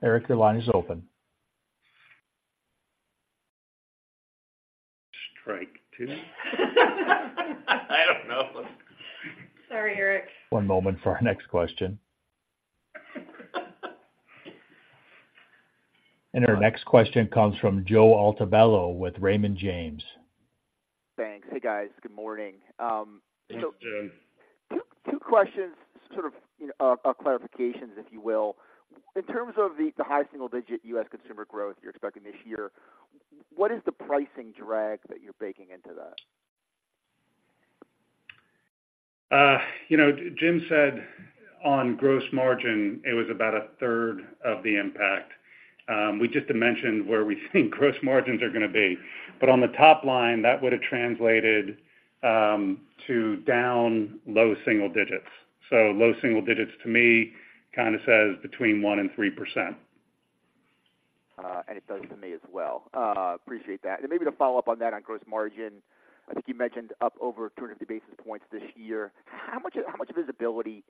Eric, your line is open. Strike two. I don't know. Sorry, Eric. One moment for our next question. Our next question comes from Joe Altobello with Raymond James. Thanks. Hey, guys. Good morning. Hey, Joe. Two questions, sort of, you know, clarifications, if you will. In terms of the high single-digit U.S. consumer growth you're expecting this year, what is the pricing drag that you're baking into that? You know, Jim said on gross margin, it was about a third of the impact. We just dimensioned where we think gross margins are gonna be. But on the top line, that would have translated to down low single digits. So low single digits, to me, kind of says between 1% and 3%. It does to me as well. Appreciate that. Maybe to follow up on that, on gross margin, I think you mentioned up over 250 basis points this year. How much visibility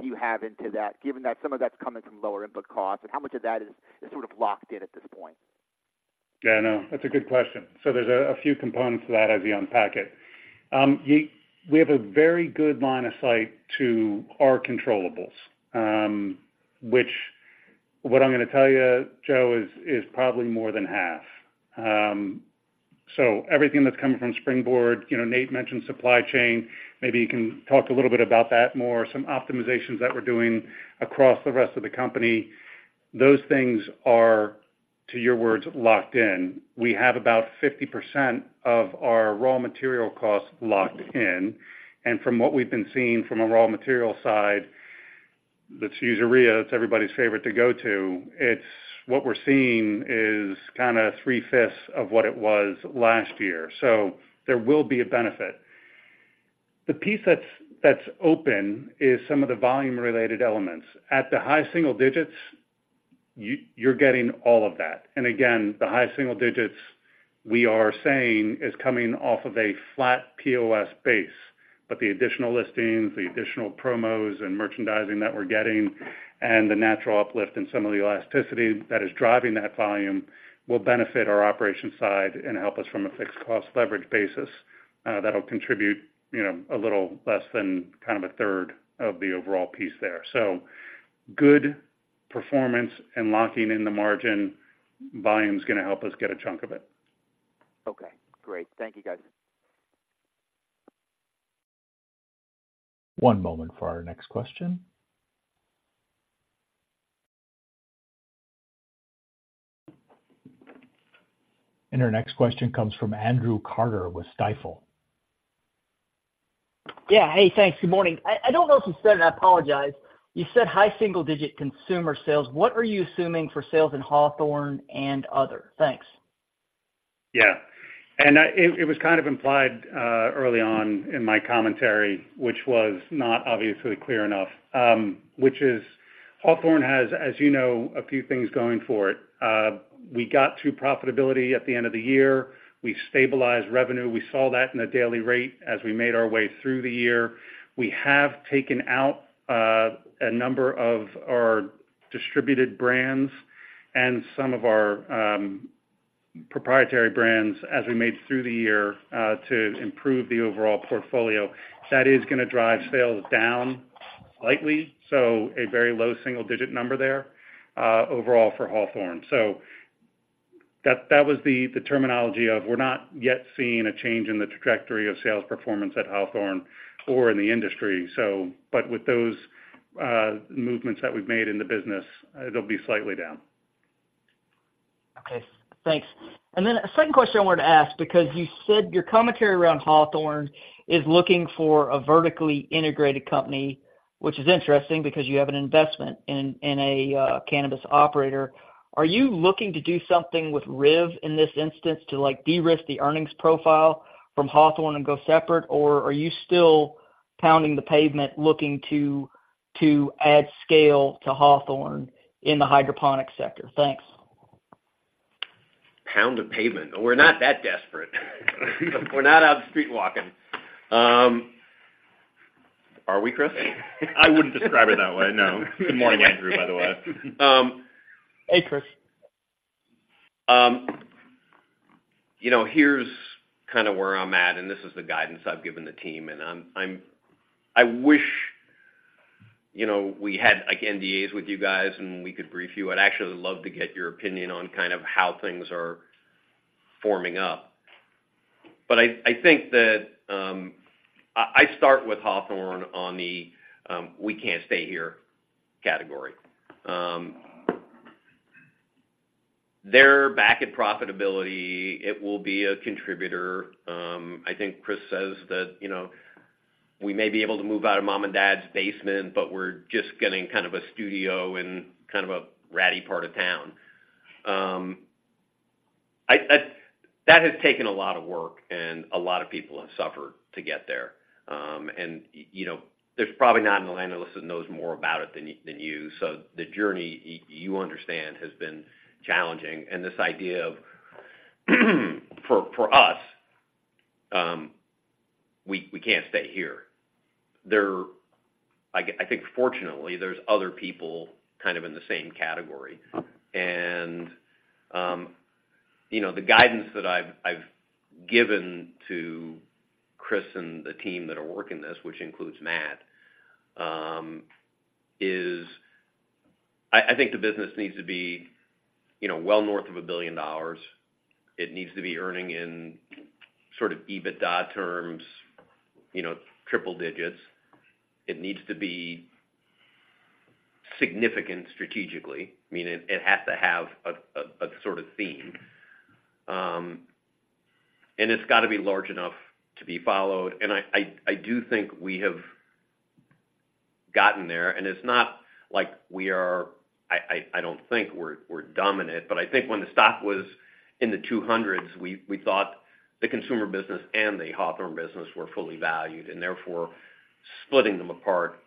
do you have into that, given that some of that's coming from lower input costs, and how much of that is sort of locked in at this point? Yeah, I know. That's a good question. So there's a few components to that as you unpack it. We have a very good line of sight to our controllables, which what I'm gonna tell you, Joe, is probably more than half. So everything that's coming from Springboard, you know, Nate mentioned supply chain. Maybe you can talk a little bit about that more, some optimizations that we're doing across the rest of the company. Those things are, to your words, locked in. We have about 50% of our raw material costs locked in, and from what we've been seeing from a raw material side, let's use urea, that's everybody's favorite to go to. It's what we're seeing is kind of 3/5 of what it was last year. So there will be a benefit. The piece that's open is some of the volume-related elements. At the high single digits, you're getting all of that. And again, the high single digits, we are saying, is coming off of a flat POS base. But the additional listings, the additional promos and merchandising that we're getting, and the natural uplift and some of the elasticity that is driving that volume will benefit our operation side and help us from a fixed cost leverage basis. That'll contribute, you know, a little less than kind of a third of the overall piece there. So good performance and locking in the margin, volume is gonna help us get a chunk of it. Okay, great. Thank you, guys.... One moment for our next question. Our next question comes from Andrew Carter with Stifel. Yeah. Hey, thanks. Good morning. I don't know if you said, and I apologize. You said high single digit consumer sales. What are you assuming for sales in Hawthorne and other? Thanks. Yeah, and it was kind of implied early on in my commentary, which was not obviously clear enough, which is Hawthorne has, as you know, a few things going for it. We got to profitability at the end of the year. We stabilized revenue. We saw that in a daily rate as we made our way through the year. We have taken out a number of our distributed brands and some of our proprietary brands as we made through the year to improve the overall portfolio. That is gonna drive sales down slightly, so a very low single digit number there overall for Hawthorne. So that was the terminology of we're not yet seeing a change in the trajectory of sales performance at Hawthorne or in the industry. But with those movements that we've made in the business, it'll be slightly down. Okay, thanks. Then a second question I wanted to ask, because you said your commentary around Hawthorne is looking for a vertically integrated company, which is interesting because you have an investment in a cannabis operator. Are you looking to do something with RIV in this instance to, like, de-risk the earnings profile from Hawthorne and go separate? Or are you still pounding the pavement, looking to add scale to Hawthorne in the hydroponic sector? Thanks. Pound the pavement? We're not that desperate. We're not out street walking. Are we, Chris? I wouldn't describe it that way, no. Good morning, Andrew, by the way. Hey, Chris. You know, here's kind of where I'm at, and this is the guidance I've given the team. I wish, you know, we had, like, NDAs with you guys, and we could brief you. I'd actually love to get your opinion on kind of how things are forming up. But I think that I start with Hawthorne on the we can't stay here category. They're back in profitability. It will be a contributor. I think Chris says that, you know, we may be able to move out of mom and dad's basement, but we're just getting kind of a studio in kind of a ratty part of town. That has taken a lot of work, and a lot of people have suffered to get there. And, you know, there's probably not anyone on the list that knows more about it than you, than you. So the journey, you understand, has been challenging. And this idea of, for us, we can't stay here. There—I think fortunately, there's other people kind of in the same category. And, you know, the guidance that I've given to Chris and the team that are working this, which includes Matt, is I think the business needs to be, you know, well north of $1 billion. It needs to be earning in sort of EBITDA terms, you know, triple digits. It needs to be significant strategically, I mean, it has to have a sort of theme, and it's got to be large enough to be followed. And I do think we have gotten there, and it's not like we are... I don't think we're dominant, but I think when the stock was in the 200s, we thought the consumer business and the Hawthorne business were fully valued, and therefore, splitting them apart,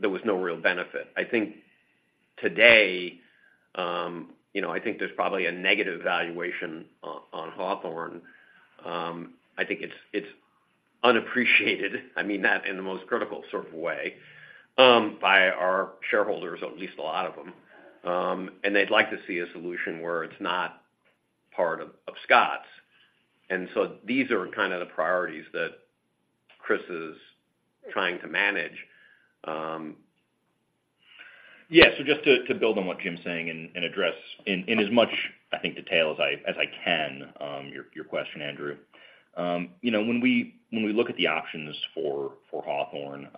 there was no real benefit. I think today, you know, I think there's probably a negative valuation on Hawthorne. I think it's unappreciated. I mean that in the most critical sort of way, by our shareholders, or at least a lot of them. And they'd like to see a solution where it's not part of Scotts. And so these are kind of the priorities that Chris is trying to manage. Yeah, so just to, to build on what Jim's saying and, and address in, in as much, I think, detail as I, as I can, your, your question, Andrew. You know, when we, when we look at the options for, for Hawthorne,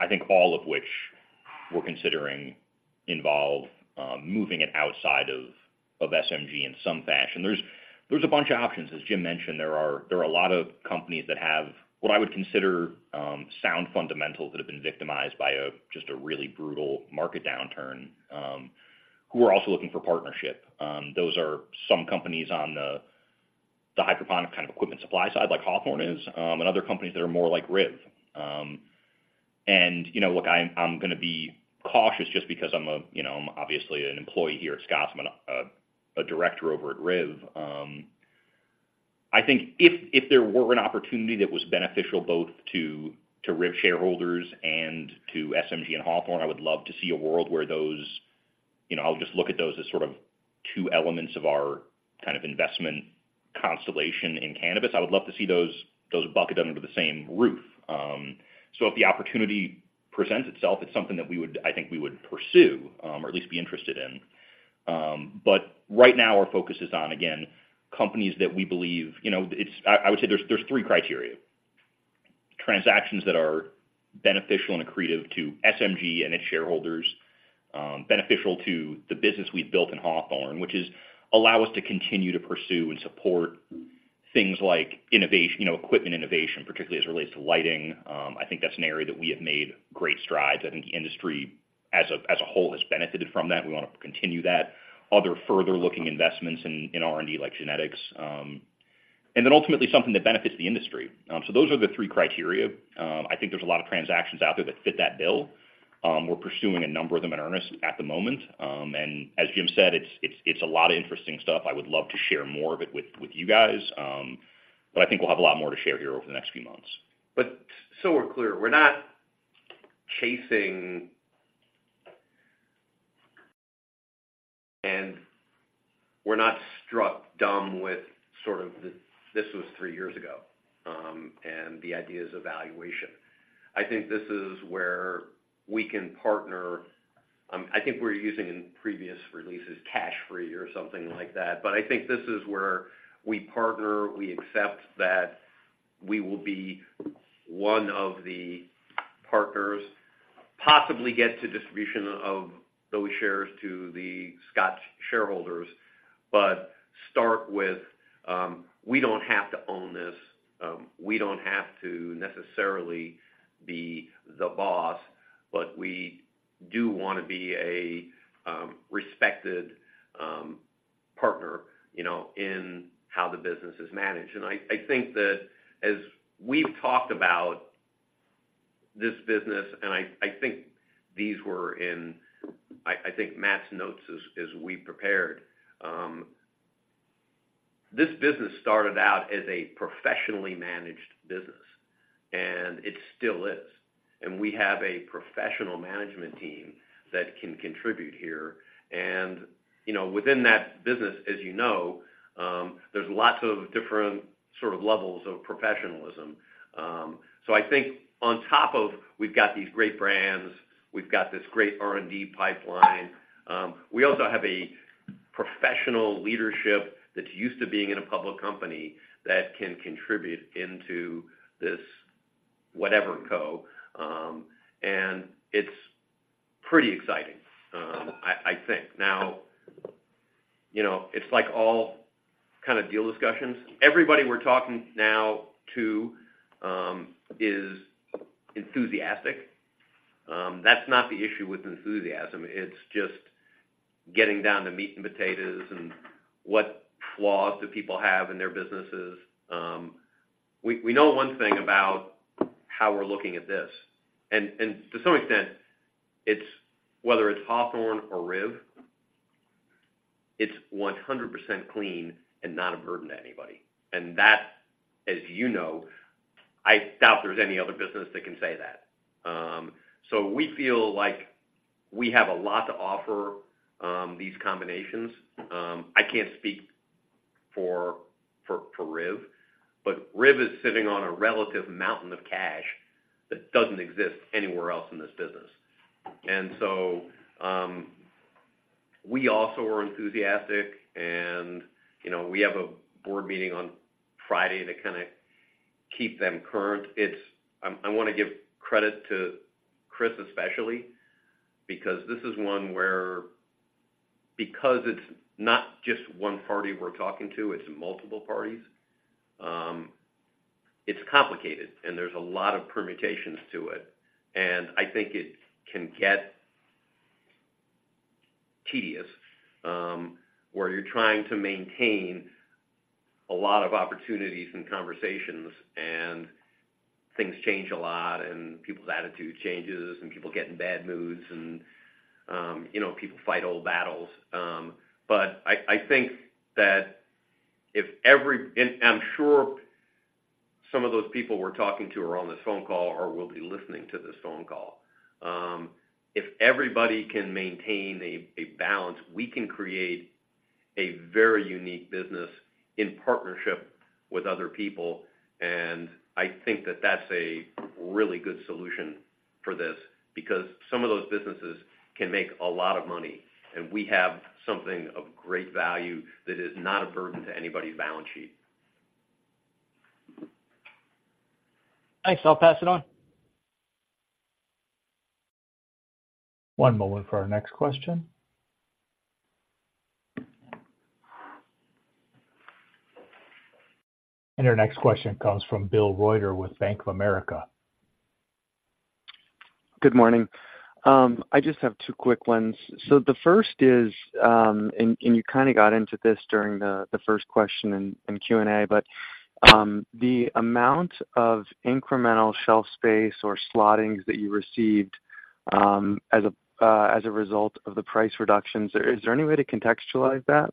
I think all of which we're considering involve, moving it outside of, of SMG in some fashion. There's, there's a bunch of options. As Jim mentioned, there are, there are a lot of companies that have, what I would consider, sound fundamentals that have been victimized by a, just a really brutal market downturn, who are also looking for partnership. Those are some companies on the, the hydroponic kind of equipment supply side, like Hawthorne is, and other companies that are more like RIV. You know, look, I'm gonna be cautious just because, you know, I'm obviously an employee here at Scotts. I'm a director over at RIV. I think if there were an opportunity that was beneficial both to RIV shareholders, and to SMG and Hawthorne, I would love to see a world where those, you know, I'll just look at those as sort of two elements of our kind of investment constellation in cannabis. I would love to see those bucketed under the same roof. So if the opportunity presents itself, it's something that we would, I think we would pursue, or at least be interested in. But right now, our focus is on, again, companies that we believe, you know, I would say there's three criteria: transactions that are beneficial and accretive to SMG and its shareholders, beneficial to the business we've built in Hawthorne, which is allow us to continue to pursue and support things like innovation, you know, equipment innovation, particularly as it relates to lighting. I think that's an area that we have made great strides. I think the industry, as a whole, has benefited from that. We wanna continue that. Other further looking investments in R&D, like genetics, and then ultimately, something that benefits the industry. So those are the three criteria. I think there's a lot of transactions out there that fit that bill. We're pursuing a number of them in earnest at the moment. And as Jim said, it's a lot of interesting stuff. I would love to share more of it with you guys, but I think we'll have a lot more to share here over the next few months. But so we're clear, we're not chasing. And we're not struck dumb with sort of this; this was three years ago, and the ideas of valuation. I think this is where we can partner. I think we're using in previous releases, cash free or something like that. But I think this is where we partner; we accept that we will be one of the partners, possibly get to distribution of those shares to the Scotts shareholders, but start with, we don't have to own this, we don't have to necessarily be the boss, but we do wanna be a respected partner, you know, in how the business is managed. And I think that as we've talked about this business, and I think these were in Matt's notes as we prepared. This business started out as a professionally managed business, and it still is. And we have a professional management team that can contribute here. And, you know, within that business, as you know, there's lots of different sort of levels of professionalism. So I think on top of we've got these great brands, we've got this great R&D pipeline, we also have a professional leadership that's used to being in a public company that can contribute into this whatever co. And it's pretty exciting, I think. Now, you know, it's like all kind of deal discussions. Everybody we're talking now to is enthusiastic. That's not the issue with enthusiasm, it's just getting down to meat and potatoes and what flaws do people have in their businesses. We know one thing about how we're looking at this, and to some extent, it's whether it's Hawthorne or RIV, it's 100% clean and not a burden to anybody. And that, as you know, I doubt there's any other business that can say that. So we feel like we have a lot to offer these combinations. I can't speak for RIV, but RIV is sitting on a relative mountain of cash that doesn't exist anywhere else in this business. And so we also are enthusiastic, and you know, we have a board meeting on Friday to kinda keep them current. It's. I wanna give credit to Chris, especially, because this is one where, because it's not just one party we're talking to, it's multiple parties, it's complicated, and there's a lot of permutations to it, and I think it can get tedious, where you're trying to maintain a lot of opportunities and conversations, and things change a lot, and people's attitude changes, and people get in bad moods, and, you know, people fight old battles. But I, I think that if every. And I'm sure some of those people we're talking to are on this phone call or will be listening to this phone call. If everybody can maintain a balance, we can create a very unique business in partnership with other people, and I think that that's a really good solution for this, because some of those businesses can make a lot of money, and we have something of great value that is not a burden to anybody's balance sheet. Thanks. I'll pass it on. One moment for our next question. Our next question comes from Bill Reuter with Bank of America. Good morning. I just have two quick ones. So the first is, and you kinda got into this during the first question in Q&A, but, the amount of incremental shelf space or slottings that you received, as a result of the price reductions, is there any way to contextualize that?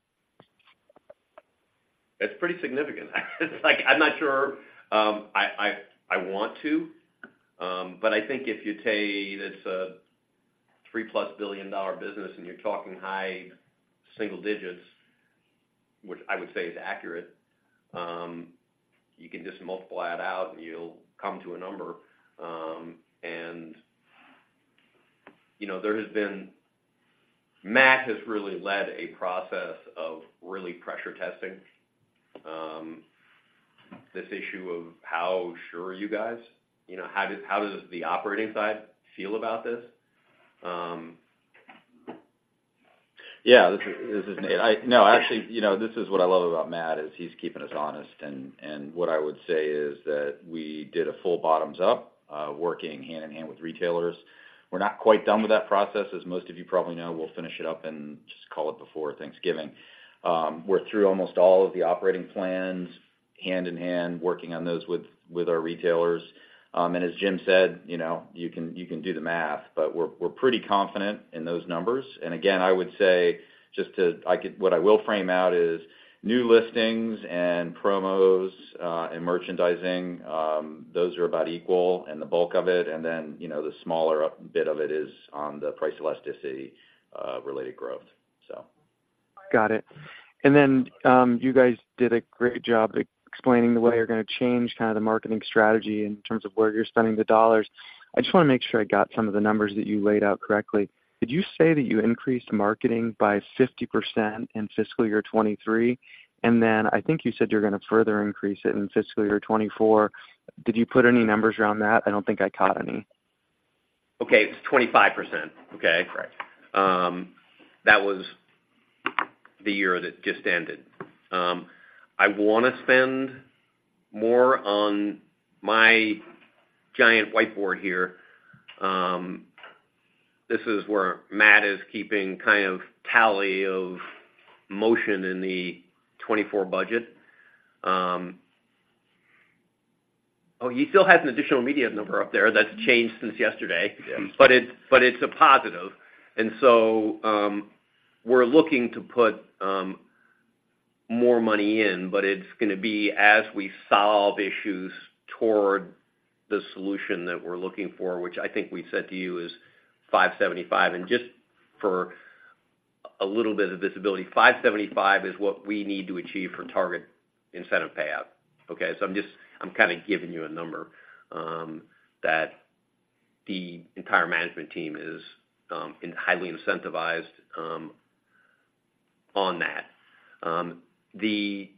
It's pretty significant. It's like, I'm not sure, I want to, but I think if you take it's a $3+ billion-plus business and you're talking high single digits-... which I would say is accurate, you can just multiply it out and you'll come to a number. And, you know, there has been. Matt has really led a process of really pressure testing, this issue of how sure are you guys? You know, how does the operating side feel about this? Yeah, this is Nate. No, actually, you know, this is what I love about Matt, is he's keeping us honest. And what I would say is that we did a full bottoms up, working hand-in-hand with retailers. We're not quite done with that process, as most of you probably know. We'll finish it up and just call it before Thanksgiving. We're through almost all of the operating plans, hand in hand, working on those with our retailers. And as Jim said, you know, you can, you can do the math, but we're, we're pretty confident in those numbers. And again, I would say, what I will frame out is new listings and promos, and merchandising, those are about equal in the bulk of it. And then, you know, the smaller bit of it is on the price elasticity related growth, so. Got it. And then, you guys did a great job explaining the way you're gonna change kinda the marketing strategy in terms of where you're spending the dollars. I just wanna make sure I got some of the numbers that you laid out correctly. Did you say that you increased marketing by 50% in fiscal year 2023? And then I think you said you're gonna further increase it in fiscal year 2024. Did you put any numbers around that? I don't think I caught any. Okay, it's 25%. Okay? Right. That was the year that just ended. I wanna spend more on my giant whiteboard here. This is where Matt is keeping kind of tally of motion in the 2024 budget. Oh, he still has an additional media number up there that's changed since yesterday. Yes. But it's a positive. So we're looking to put more money in, but it's gonna be as we solve issues toward the solution that we're looking for, which I think we said to you is $575. And just for a little bit of visibility, $575 is what we need to achieve for target incentive payout, okay? So I'm just. I'm kinda giving you a number that the entire management team is highly incentivized on that. The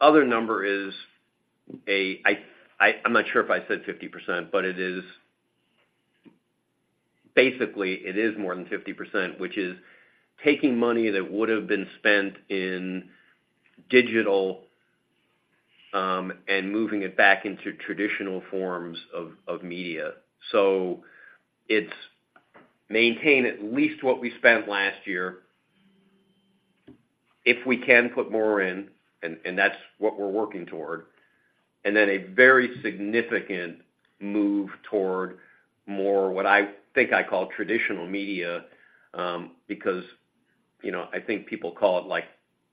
other number is. I'm not sure if I said 50%, but it is. Basically, it is more than 50%, which is taking money that would have been spent in digital and moving it back into traditional forms of media. So it's maintain at least what we spent last year, if we can put more in, and that's what we're working toward. And then a very significant move toward more, what I think I call traditional media, because, you know, I think people call it like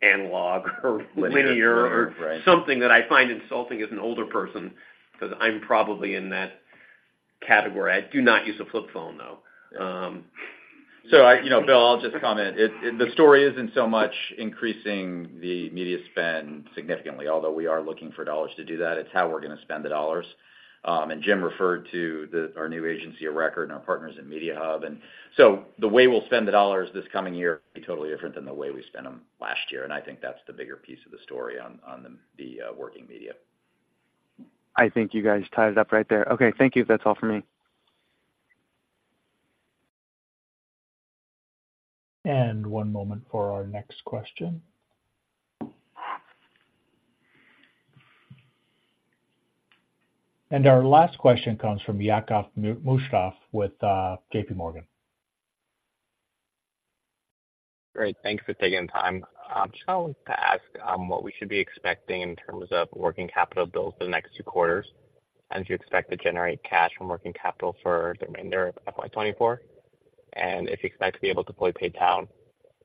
analog or linear- Linear, right. -or something that I find insulting as an older person, 'cause I'm probably in that category. I do not use a flip phone, though. So, you know, Bill, I'll just comment. It, the story isn't so much increasing the media spend significantly, although we are looking for dollars to do that. It's how we're gonna spend the dollars. And Jim referred to our new agency of record and our partners in Mediahub. And so the way we'll spend the dollars this coming year will be totally different than the way we spent them last year, and I think that's the bigger piece of the story on the working media. I think you guys tied it up right there. Okay, thank you. That's all for me. One moment for our next question. Our last question comes from Yaakov Musheyev with JPMorgan. Great. Thanks for taking the time. Just wanted to ask, what we should be expecting in terms of working capital builds for the next two quarters? And do you expect to generate cash from working capital for the remainder of FY 2024? And if you expect to be able to fully pay down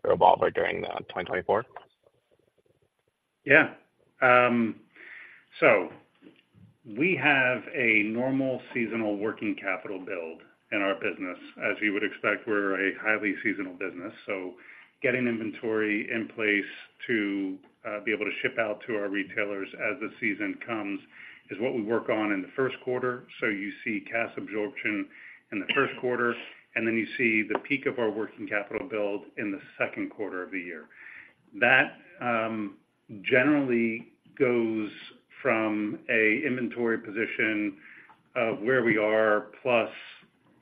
the revolver during 2024? Yeah. So we have a normal seasonal working capital build in our business. As you would expect, we're a highly seasonal business, so getting inventory in place to be able to ship out to our retailers as the season comes is what we work on in the first quarter. So you see cash absorption in the first quarter, and then you see the peak of our working capital build in the second quarter of the year. That generally goes from a inventory position of where we are, plus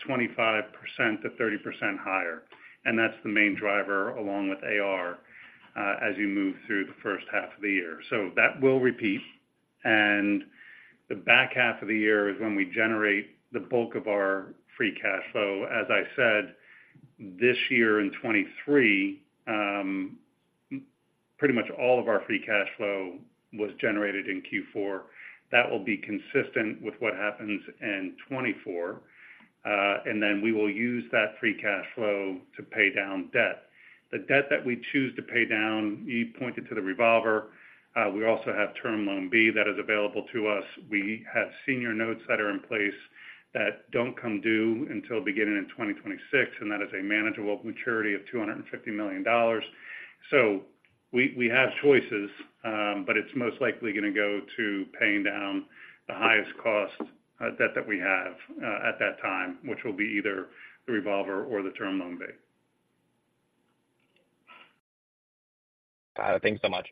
25%-30% higher, and that's the main driver, along with AR, as you move through the first half of the year. So that will repeat, and the back half of the year is when we generate the bulk of our free cash flow. As I said, this year in 2023, pretty much all of our free cash flow was generated in Q4. That will be consistent with what happens in 2024, and then we will use that free cash flow to pay down debt. The debt that we choose to pay down, you pointed to the revolver. We also have Term Loan B that is available to us. We have senior notes that are in place that don't come due until beginning in 2026, and that is a manageable maturity of $250 million. So we, we have choices, but it's most likely gonna go to paying down the highest cost debt that we have at that time, which will be either the revolver or the Term Loan B. Thanks so much.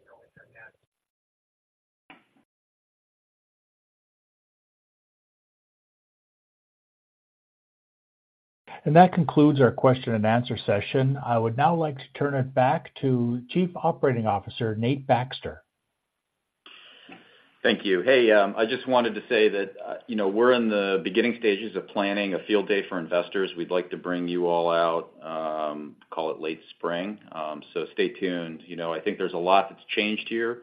That concludes our question and answer session. I would now like to turn it back to Chief Operating Officer, Nate Baxter. Thank you. Hey, I just wanted to say that, you know, we're in the beginning stages of planning a field day for investors. We'd like to bring you all out, call it late spring. So stay tuned. You know, I think there's a lot that's changed here,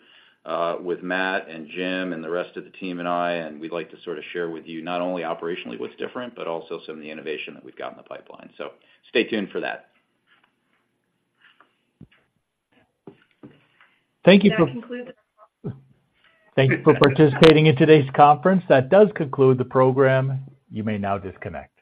with Matt and Jim and the rest of the team and I, and we'd like to sort of share with you, not only operationally what's different, but also some of the innovation that we've got in the pipeline. So stay tuned for that. Thank you for participating in today's conference. That does conclude the program. You may now disconnect.